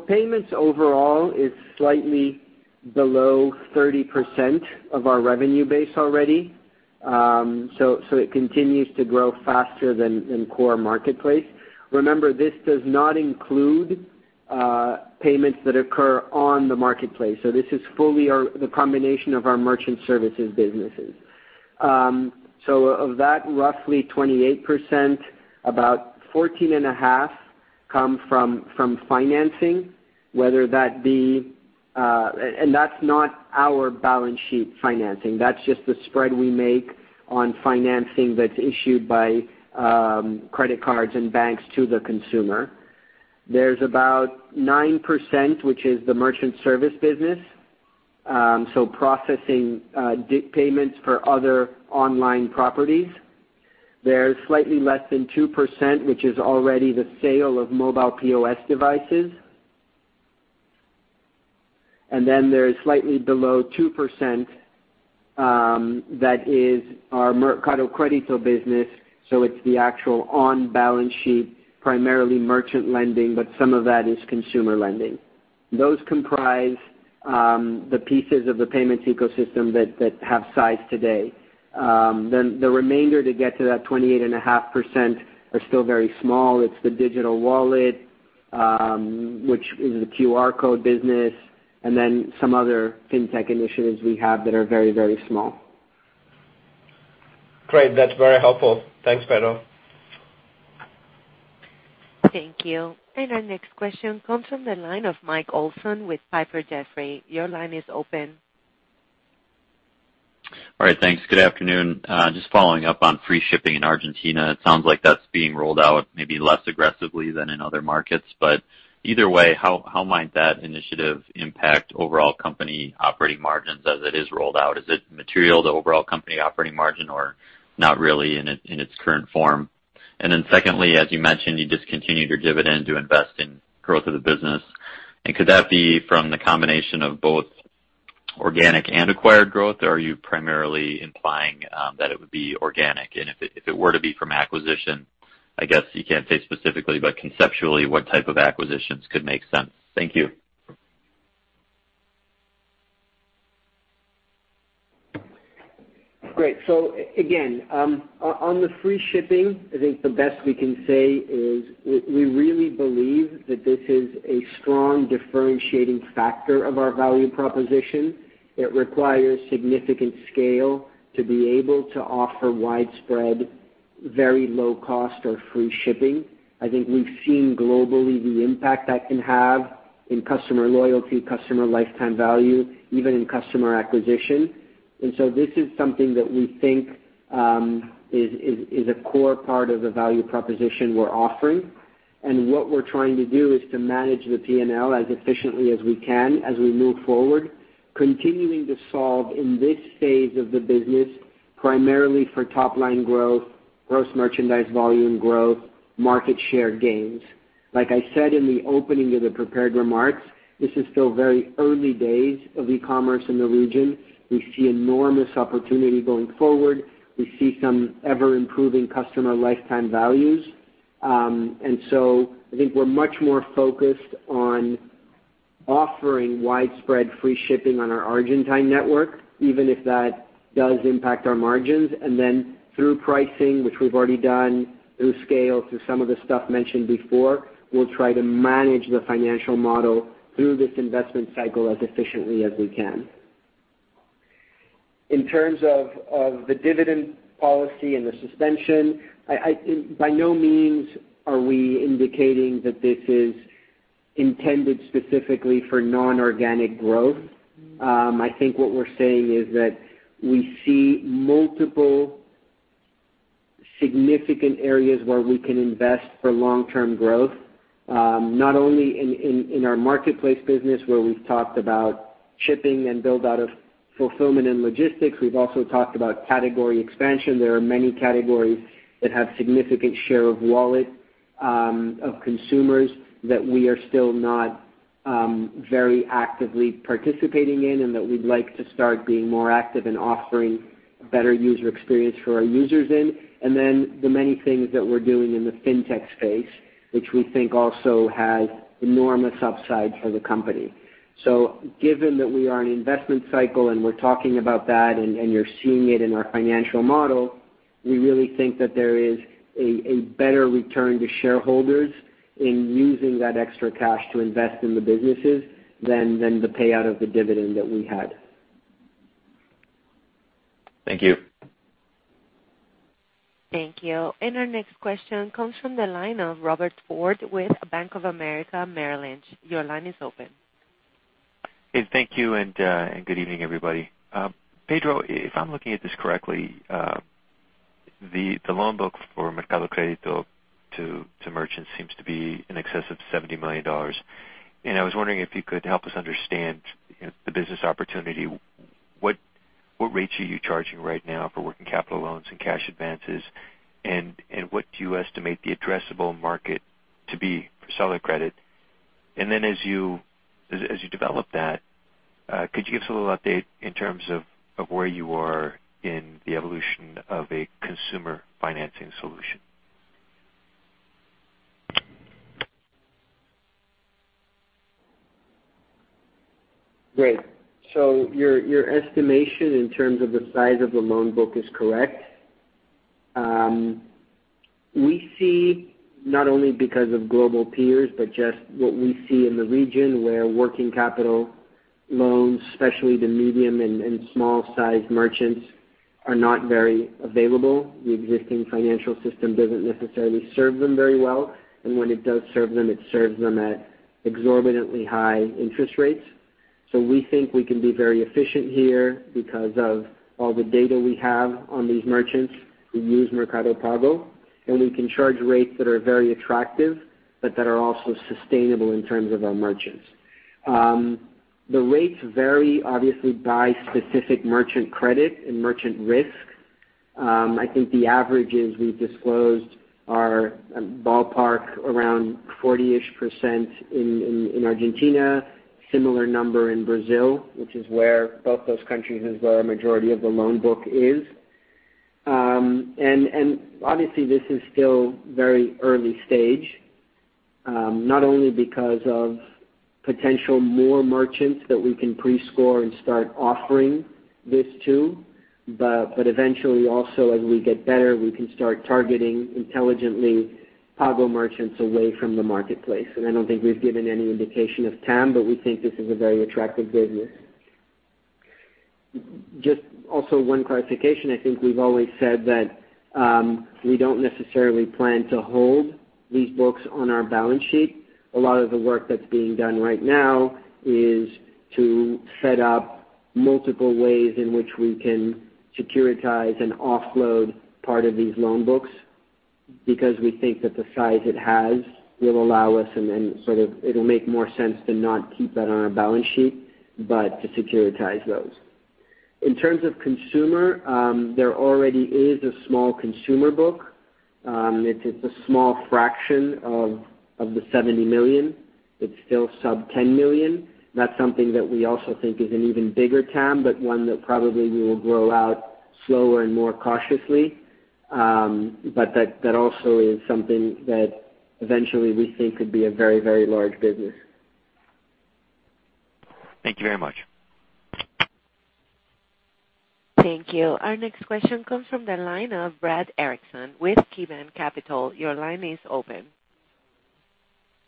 payments overall is slightly below 30% of our revenue base already. It continues to grow faster than core marketplace. Remember, this does not include payments that occur on the marketplace. This is fully the combination of our merchant services businesses. Of that, roughly 28%, about 14.5% come from financing, and that's not our balance sheet financing. That's just the spread we make on financing that's issued by credit cards and banks to the consumer. There's about 9%, which is the merchant service business. Processing payments for other online properties. There's slightly less than 2%, which is already the sale of mobile POS devices. There's slightly below 2%, that is our Mercado Crédito business. It's the actual on-balance sheet, primarily merchant lending, but some of that is consumer lending. Those comprise the pieces of the payments ecosystem that have size today. The remainder to get to that 28.5% are still very small. It's the digital wallet, which is the QR code business, some other fintech initiatives we have that are very small. Great. That's very helpful. Thanks, Pedro. Thank you. Our next question comes from the line of Mike Olson with Piper Jaffray. Your line is open. All right. Thanks. Good afternoon. Just following up on free shipping in Argentina. It sounds like that's being rolled out maybe less aggressively than in other markets, but either way, how might that initiative impact overall company operating margins as it is rolled out? Is it material to overall company operating margin or not really in its current form? Secondly, as you mentioned, you discontinued your dividend to invest in growth of the business. Could that be from the combination of both organic and acquired growth, or are you primarily implying that it would be organic? If it were to be from acquisition, I guess you can't say specifically, but conceptually, what type of acquisitions could make sense? Thank you. Great. Again, on the free shipping, I think the best we can say is we really believe that this is a strong differentiating factor of our value proposition. It requires significant scale to be able to offer widespread, very low cost or free shipping. I think we've seen globally the impact that can have in customer loyalty, customer lifetime value, even in customer acquisition. This is something that we think is a core part of the value proposition we're offering. What we're trying to do is to manage the P&L as efficiently as we can as we move forward, continuing to solve in this phase of the business, primarily for top-line growth, gross merchandise volume growth, market share gains. Like I said in the opening of the prepared remarks, this is still very early days of e-commerce in the region. We see enormous opportunity going forward. We see some ever-improving customer lifetime values. I think we're much more focused on offering widespread free shipping on our Argentine network, even if that does impact our margins. Through pricing, which we've already done, through scale, through some of the stuff mentioned before, we'll try to manage the financial model through this investment cycle as efficiently as we can. In terms of the dividend policy and the suspension, by no means are we indicating that this is intended specifically for non-organic growth. I think what we're saying is that we see multiple significant areas where we can invest for long-term growth. Not only in our marketplace business, where we've talked about shipping and build-out of fulfillment and logistics. We've also talked about category expansion. There are many categories that have significant share of wallet of consumers that we are still not very actively participating in and that we'd like to start being more active in offering a better user experience for our users in. The many things that we're doing in the fintech space, which we think also has enormous upside for the company. Given that we are in an investment cycle and we're talking about that and you're seeing it in our financial model, we really think that there is a better return to shareholders in using that extra cash to invest in the businesses than the payout of the dividend that we had. Thank you. Thank you. Our next question comes from the line of Robert Ford with Bank of America Merrill Lynch. Your line is open. Thank you, good evening, everybody. Pedro, if I'm looking at this correctly, the loan book for Mercado Crédito to merchants seems to be in excess of $70 million. I was wondering if you could help us understand the business opportunity. What rates are you charging right now for working capital loans and cash advances? What do you estimate the addressable market to be for seller credit? As you develop that, could you give us a little update in terms of where you are in the evolution of a consumer financing solution? Great. Your estimation in terms of the size of the loan book is correct. We see, not only because of global peers, but just what we see in the region, where working capital loans, especially the medium and small-sized merchants, are not very available. The existing financial system doesn't necessarily serve them very well, and when it does serve them, it serves them at exorbitantly high interest rates. We think we can be very efficient here because of all the data we have on these merchants who use Mercado Pago, and we can charge rates that are very attractive, but that are also sustainable in terms of our merchants. The rates vary obviously by specific merchant credit and merchant risk. I think the averages we've disclosed are ballpark around 40-ish% in Argentina. Similar number in Brazil, which is where both those countries is where a majority of the loan book is. Obviously, this is still very early stage. Not only because of potential more merchants that we can pre-score and start offering this to, but eventually also as we get better, we can start targeting intelligently Pago merchants away from the marketplace. I don't think we've given any indication of TAM, but we think this is a very attractive business. Just also one clarification. I think we've always said that we don't necessarily plan to hold these books on our balance sheet. A lot of the work that's being done right now is to set up multiple ways in which we can securitize and offload part of these loan books, because we think that the size it has will allow us and it'll make more sense to not keep that on our balance sheet, but to securitize those. In terms of consumer, there already is a small consumer book. It's a small fraction of the $70 million. It's still sub $10 million. That's something that we also think is an even bigger TAM, but one that probably we will grow out slower and more cautiously. That also is something that eventually we think could be a very, very large business. Thank you very much. Thank you. Our next question comes from the line of Brad Erickson with KeyBanc Capital. Your line is open.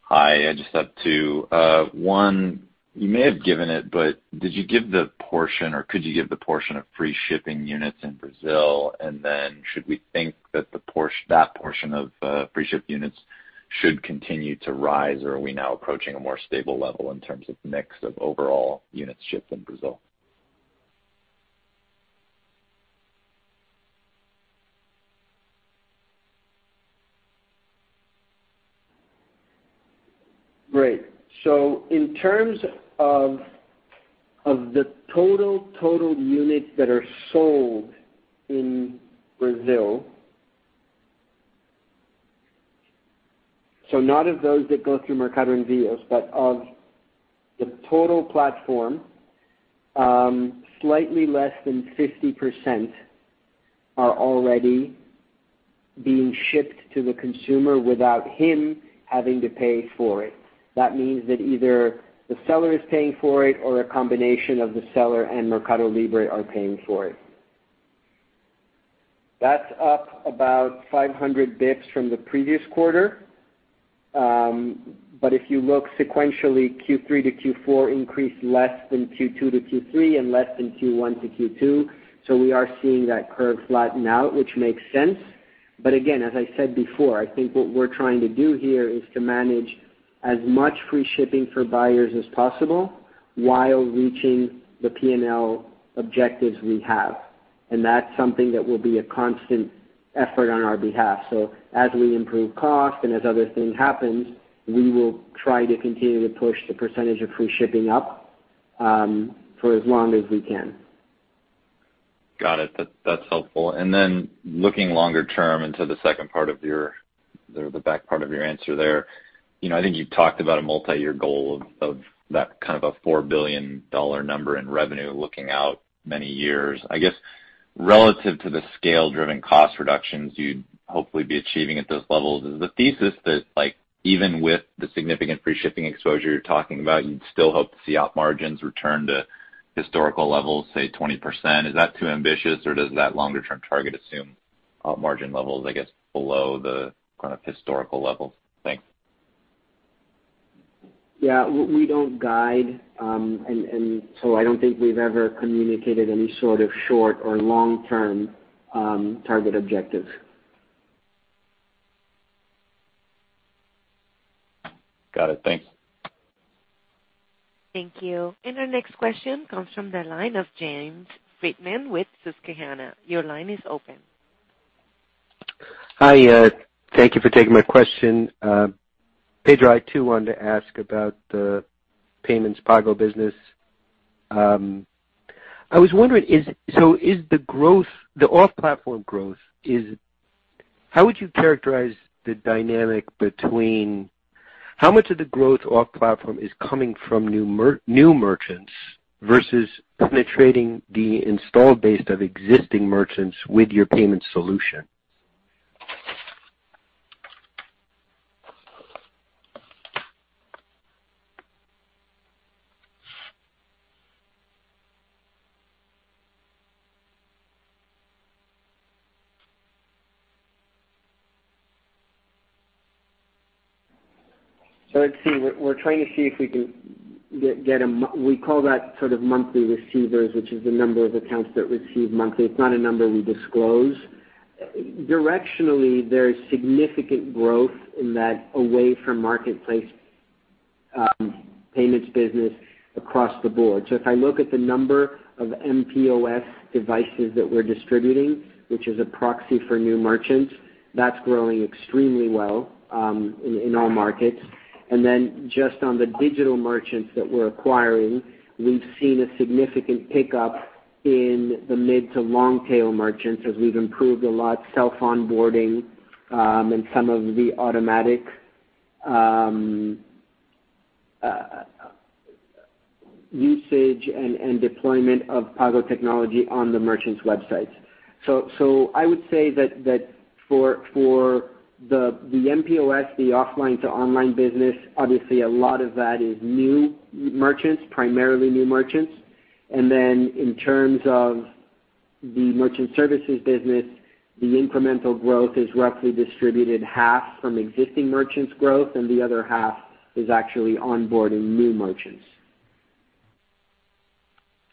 Hi, I just have two. One, you may have given it, but did you give the portion or could you give the portion of free shipping units in Brazil? Should we think that that portion of free ship units should continue to rise, or are we now approaching a more stable level in terms of mix of overall units shipped in Brazil? Great. In terms of the total units that are sold in Brazil, not of those that go through Mercado Envíos, but of the total platform, slightly less than 50% are already being shipped to the consumer without him having to pay for it. That means that either the seller is paying for it or a combination of the seller and MercadoLibre are paying for it. That's up about 500 basis points from the previous quarter. If you look sequentially, Q3 to Q4 increased less than Q2 to Q3 and less than Q1 to Q2. We are seeing that curve flatten out, which makes sense. Again, as I said before, I think what we're trying to do here is to manage as much free shipping for buyers as possible while reaching the P&L objectives we have. That's something that will be a constant effort on our behalf. As we improve cost and as other things happens, we will try to continue to push the percentage of free shipping up, for as long as we can. Got it. That's helpful. Looking longer term into the second part of your answer there. I think you talked about a multi-year goal of that kind of a $4 billion number in revenue looking out many years. I guess, relative to the scale-driven cost reductions you'd hopefully be achieving at those levels, is the thesis that even with the significant free shipping exposure you're talking about, you'd still hope to see op margins return to historical levels, say 20%? Is that too ambitious, or does that longer-term target assume op margin levels, I guess, below the kind of historical levels? Thanks. Yeah. We don't guide, I don't think we've ever communicated any sort of short or long-term target objective. Got it. Thanks. Thank you. Our next question comes from the line of James Friedman with Susquehanna. Your line is open. Hi. Thank you for taking my question. Pedro, I too wanted to ask about the payments Pago business. I was wondering, so is the off-platform growth How would you characterize the dynamic between how much of the growth off-platform is coming from new merchants versus penetrating the installed base of existing merchants with your payment solution? Let's see. We're trying to see if we can get. We call that sort of monthly receivers, which is the number of accounts that receive monthly. It's not a number we disclose. Directionally, there's significant growth in that away from marketplace payments business across the board. If I look at the number of mPOS devices that we're distributing, which is a proxy for new merchants, that's growing extremely well in all markets. Just on the digital merchants that we're acquiring, we've seen a significant pickup in the mid to long-tail merchants as we've improved a lot self-onboarding, and some of the automatic usage and deployment of Pago technology on the merchants' websites. I would say that for the mPOS, the offline to online business, obviously a lot of that is new merchants, primarily new merchants. In terms of the merchant services business, the incremental growth is roughly distributed half from existing merchants growth, and the other half is actually onboarding new merchants.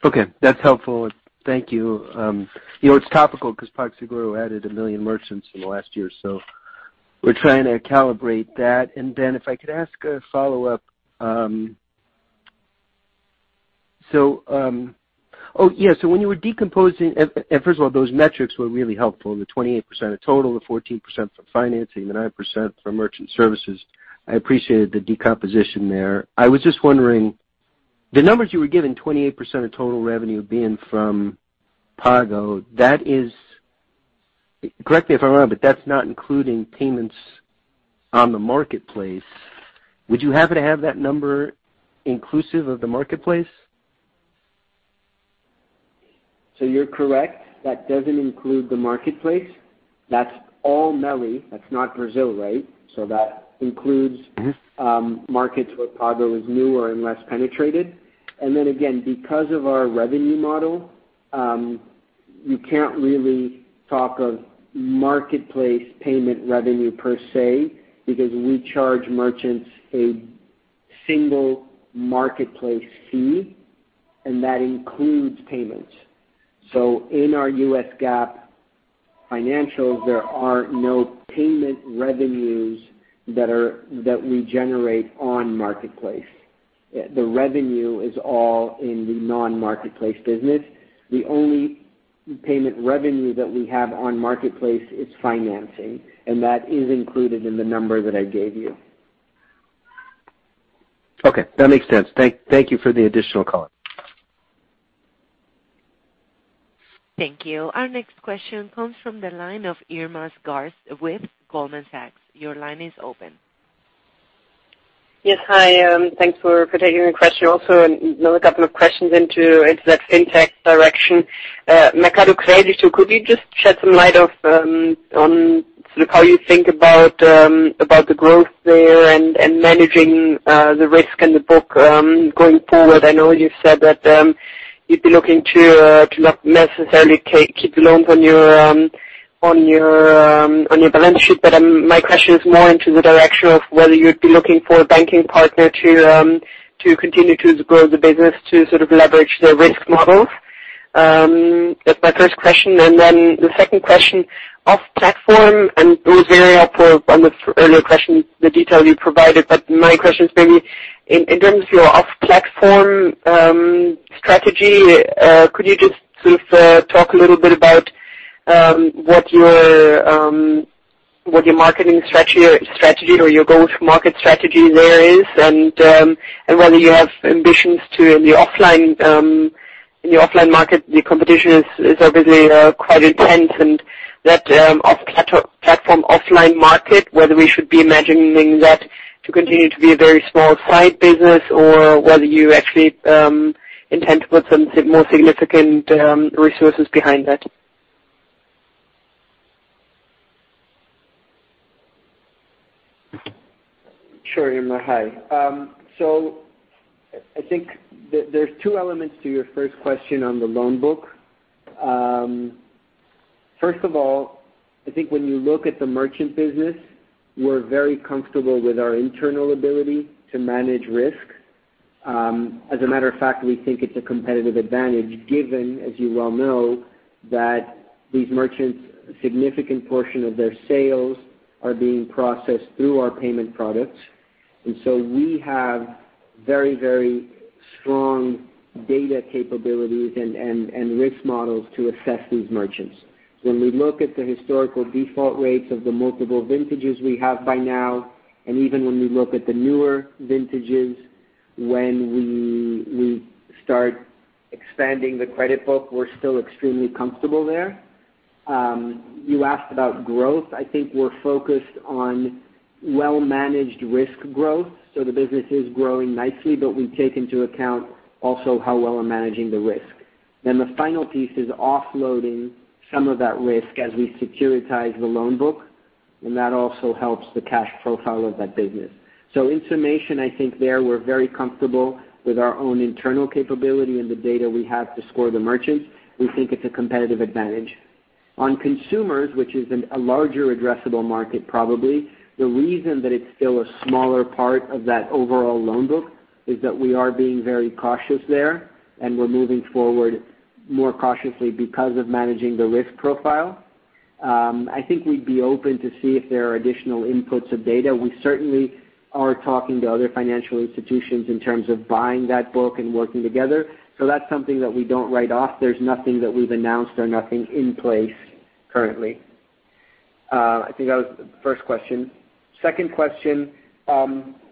Okay. That's helpful. Thank you. It's topical because PagSeguro added 1 million merchants in the last year, we're trying to calibrate that. If I could ask a follow-up. Oh, yeah. When you were decomposing. First of all, those metrics were really helpful. The 28% of total, the 14% from financing, the 9% from merchant services. I appreciate the decomposition there. I was just wondering, the numbers you were giving, 28% of total revenue being from Pago, correct me if I'm wrong, that's not including payments on the marketplace. Would you happen to have that number inclusive of the marketplace? You're correct. That doesn't include the marketplace. That's all MELI. That's not Brazil. That includes. markets where Pago is newer and less penetrated. Then again, because of our revenue model, you can't really talk of marketplace payment revenue per se, because we charge merchants a single marketplace fee, and that includes payments. So in our U.S. GAAP financials, there are no payment revenues that we generate on marketplace. The revenue is all in the non-marketplace business. The only payment revenue that we have on marketplace is financing, and that is included in the number that I gave you. Okay. That makes sense. Thank you for the additional color. Thank you. Our next question comes from the line of Irma Sgarz with Goldman Sachs. Your line is open. Yes. Hi, thanks for taking the question also. Another couple of questions into that Fintech direction. Mercado Crédito, could you just shed some light on how you think about the growth there and managing the risk and the book going forward? I know you've said that you'd be looking to not necessarily keep loans on your balance sheet, My question is more into the direction of whether you'd be looking for a banking partner to continue to grow the business to sort of leverage their risk models. That's my first question. Then the second question, off-platform. It was very helpful on the earlier question, the detail you provided. My question is maybe in terms of your off-platform strategy, could you just sort of talk a little bit about what your marketing strategy or your go-to-market strategy there is and whether you have ambitions in the offline market? The competition is obviously quite intense and that platform offline market, whether we should be imagining that to continue to be a very small side business or whether you actually intend to put some more significant resources behind that. Sure, Irma. Hi. I think there's two elements to your first question on the loan book. First of all, I think when you look at the merchant business, we're very comfortable with our internal ability to manage risk. As a matter of fact, we think it's a competitive advantage given, as you well know, that these merchants, a significant portion of their sales are being processed through our payment products. We have very, very strong data capabilities and risk models to assess these merchants. When we look at the historical default rates of the multiple vintages we have by now, even when we look at the newer vintages, when we start expanding the credit book, we're still extremely comfortable there. You asked about growth. I think we're focused on well-managed risk growth. The business is growing nicely, but we take into account also how well we're managing the risk. Then the final piece is offloading some of that risk as we securitize the loan book, and that also helps the cash profile of that business. In summation, I think there we're very comfortable with our own internal capability and the data we have to score the merchants. We think it's a competitive advantage. On consumers, which is a larger addressable market probably, the reason that it's still a smaller part of that overall loan book is that we are being very cautious there, and we're moving forward more cautiously because of managing the risk profile. I think we'd be open to see if there are additional inputs of data. We certainly are talking to other financial institutions in terms of buying that book and working together. That's something that we don't write off. There's nothing that we've announced or nothing in place currently. I think that was the first question. Second question.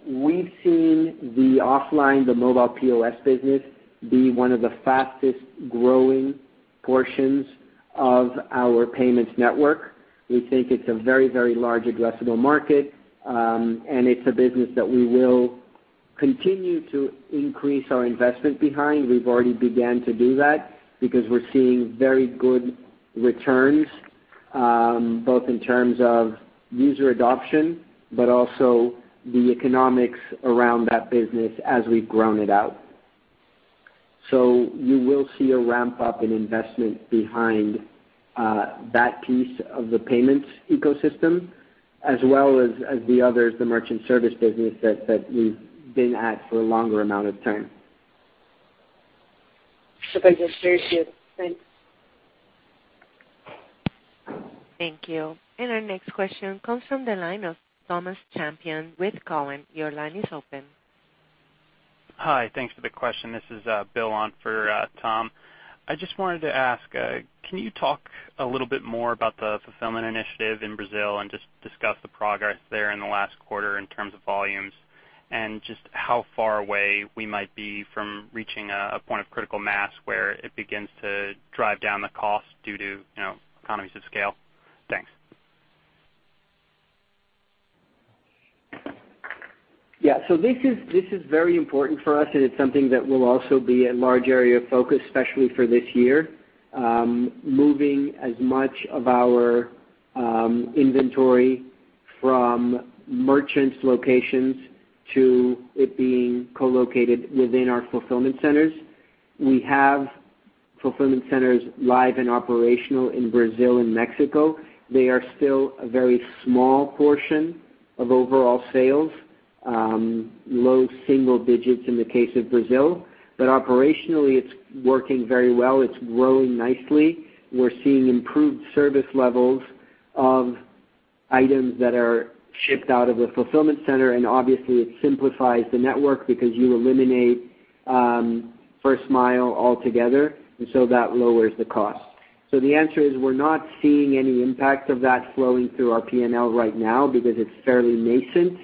We've seen the offline, the mobile POS business be one of the fastest-growing portions of our payments network. We think it's a very, very large addressable market, and it's a business that we will continue to increase our investment behind. We've already began to do that because we're seeing very good returns, both in terms of user adoption, also the economics around that business as we've grown it out. You will see a ramp-up in investment behind that piece of the payments ecosystem, as well as the others, the merchant service business that we've been at for a longer amount of time. Super just very clear. Thanks. Thank you. Our next question comes from the line of Thomas Champion with Cowen. Your line is open. Hi, thanks for the question. This is Bill on for Tom. I just wanted to ask, can you talk a little bit more about the fulfillment initiative in Brazil and just discuss the progress there in the last quarter in terms of volumes and just how far away we might be from reaching a point of critical mass where it begins to drive down the cost due to economies of scale? Thanks. Yeah. This is very important for us, and it's something that will also be a large area of focus, especially for this year. Moving as much of our inventory from merchants' locations to it being co-located within our fulfillment centers. We have fulfillment centers live and operational in Brazil and Mexico. They are still a very small portion of overall sales. Low single digits in the case of Brazil, but operationally, it's working very well. It's growing nicely. We're seeing improved service levels of items that are shipped out of a fulfillment center, and obviously it simplifies the network because you eliminate first mile altogether, and so that lowers the cost. The answer is, we're not seeing any impact of that flowing through our P&L right now because it's fairly nascent,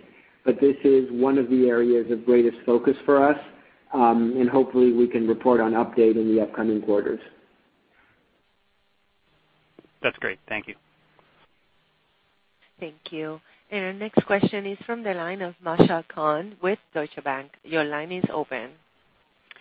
but this is one of the areas of greatest focus for us. Hopefully we can report on update in the upcoming quarters. That's great. Thank you. Thank you. Our next question is from the line of Masha Kahn with Deutsche Bank. Your line is open.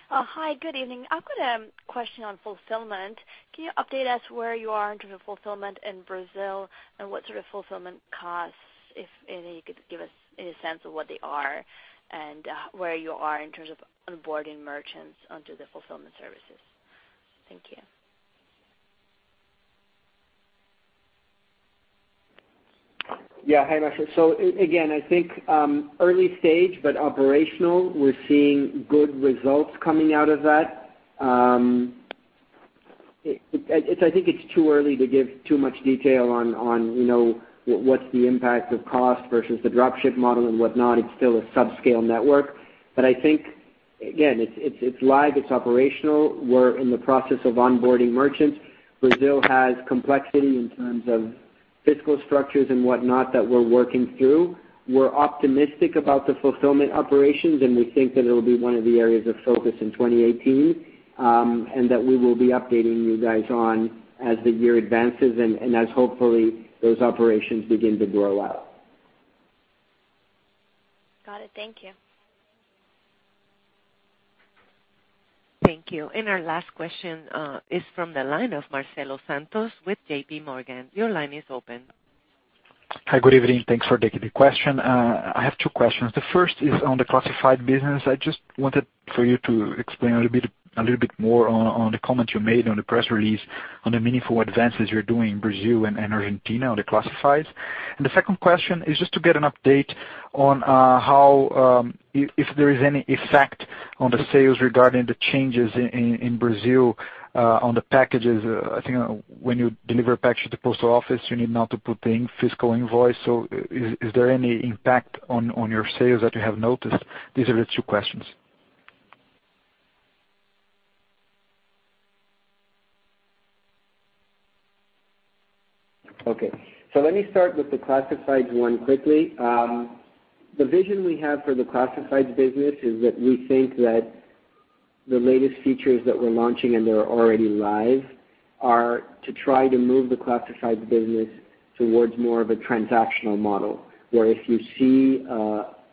Hi, good evening. I've got a question on fulfillment. Can you update us where you are in terms of fulfillment in Brazil and what sort of fulfillment costs, if any, you could give us a sense of what they are and where you are in terms of onboarding merchants onto the fulfillment services. Thank you. Hi, Masha. Again, I think early stage, but operational. We're seeing good results coming out of that. I think it's too early to give too much detail on what's the impact of cost versus the drop ship model and whatnot. It's still a subscale network. I think, again, it's live, it's operational. We're in the process of onboarding merchants. Brazil has complexity in terms of fiscal structures and whatnot that we're working through. We're optimistic about the fulfillment operations, and we think that it'll be one of the areas of focus in 2018. That we will be updating you guys on as the year advances and as hopefully those operations begin to grow out. Got it. Thank you. Thank you. Our last question is from the line of Marcelo Santos with JPMorgan. Your line is open. Hi, good evening. Thanks for taking the question. I have two questions. The first is on the classified business. I just wanted for you to explain a little bit more on the comment you made on the press release, on the meaningful advances you're doing in Brazil and Argentina on the classifieds. The second question is just to get an update on if there is any effect on the sales regarding the changes in Brazil on the packages. I think when you deliver a package to the post office, you need now to put the fiscal invoice. Is there any impact on your sales that you have noticed? These are the two questions. Okay. Let me start with the classifieds one quickly. The vision we have for the classifieds business is that we think that the latest features that we're launching, and they're already live, are to try to move the classifieds business towards more of a transactional model. Where if you see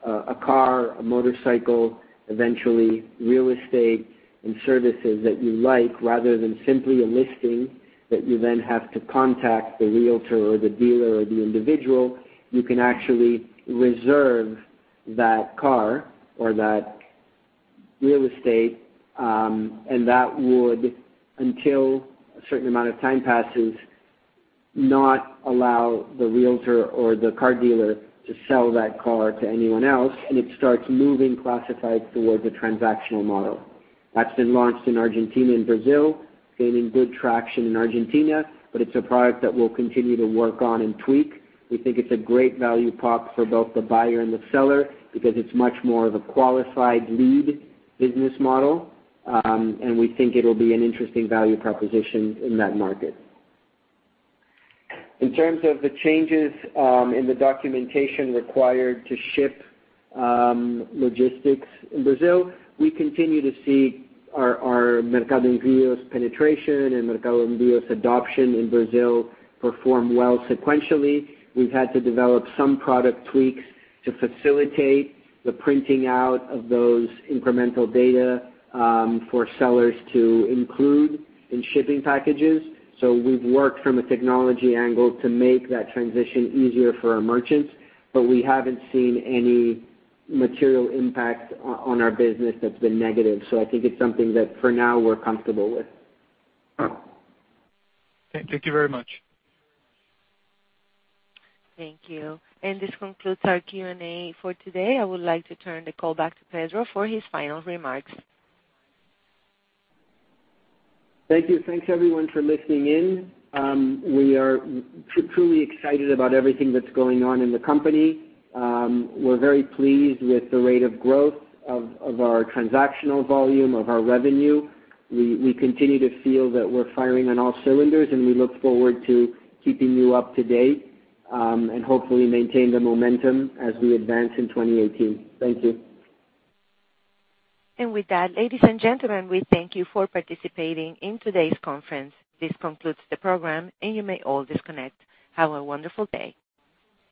a car, a motorcycle, eventually real estate and services that you like, rather than simply a listing that you then have to contact the realtor or the dealer or the individual, you can actually reserve that car or that real estate, and that would, until a certain amount of time passes, not allow the realtor or the car dealer to sell that car to anyone else, and it starts moving classifieds towards a transactional model. That's been launched in Argentina and Brazil. Gaining good traction in Argentina. It's a product that we'll continue to work on and tweak. We think it's a great value prop for both the buyer and the seller because it's much more of a qualified lead business model. We think it'll be an interesting value proposition in that market. In terms of the changes in the documentation required to ship logistics in Brazil, we continue to see our Mercado Envíos penetration and Mercado Envíos adoption in Brazil perform well sequentially. We've had to develop some product tweaks to facilitate the printing out of those incremental data for sellers to include in shipping packages. We've worked from a technology angle to make that transition easier for our merchants, but we haven't seen any material impact on our business that's been negative. I think it's something that, for now, we're comfortable with. Thank you very much. Thank you. This concludes our Q&A for today. I would like to turn the call back to Pedro for his final remarks. Thank you. Thanks everyone for listening in. We are truly excited about everything that's going on in the company. We're very pleased with the rate of growth of our transactional volume, of our revenue. We continue to feel that we're firing on all cylinders. We look forward to keeping you up to date, hopefully maintain the momentum as we advance in 2018. Thank you. With that, ladies and gentlemen, we thank you for participating in today's conference. This concludes the program. You may all disconnect. Have a wonderful day.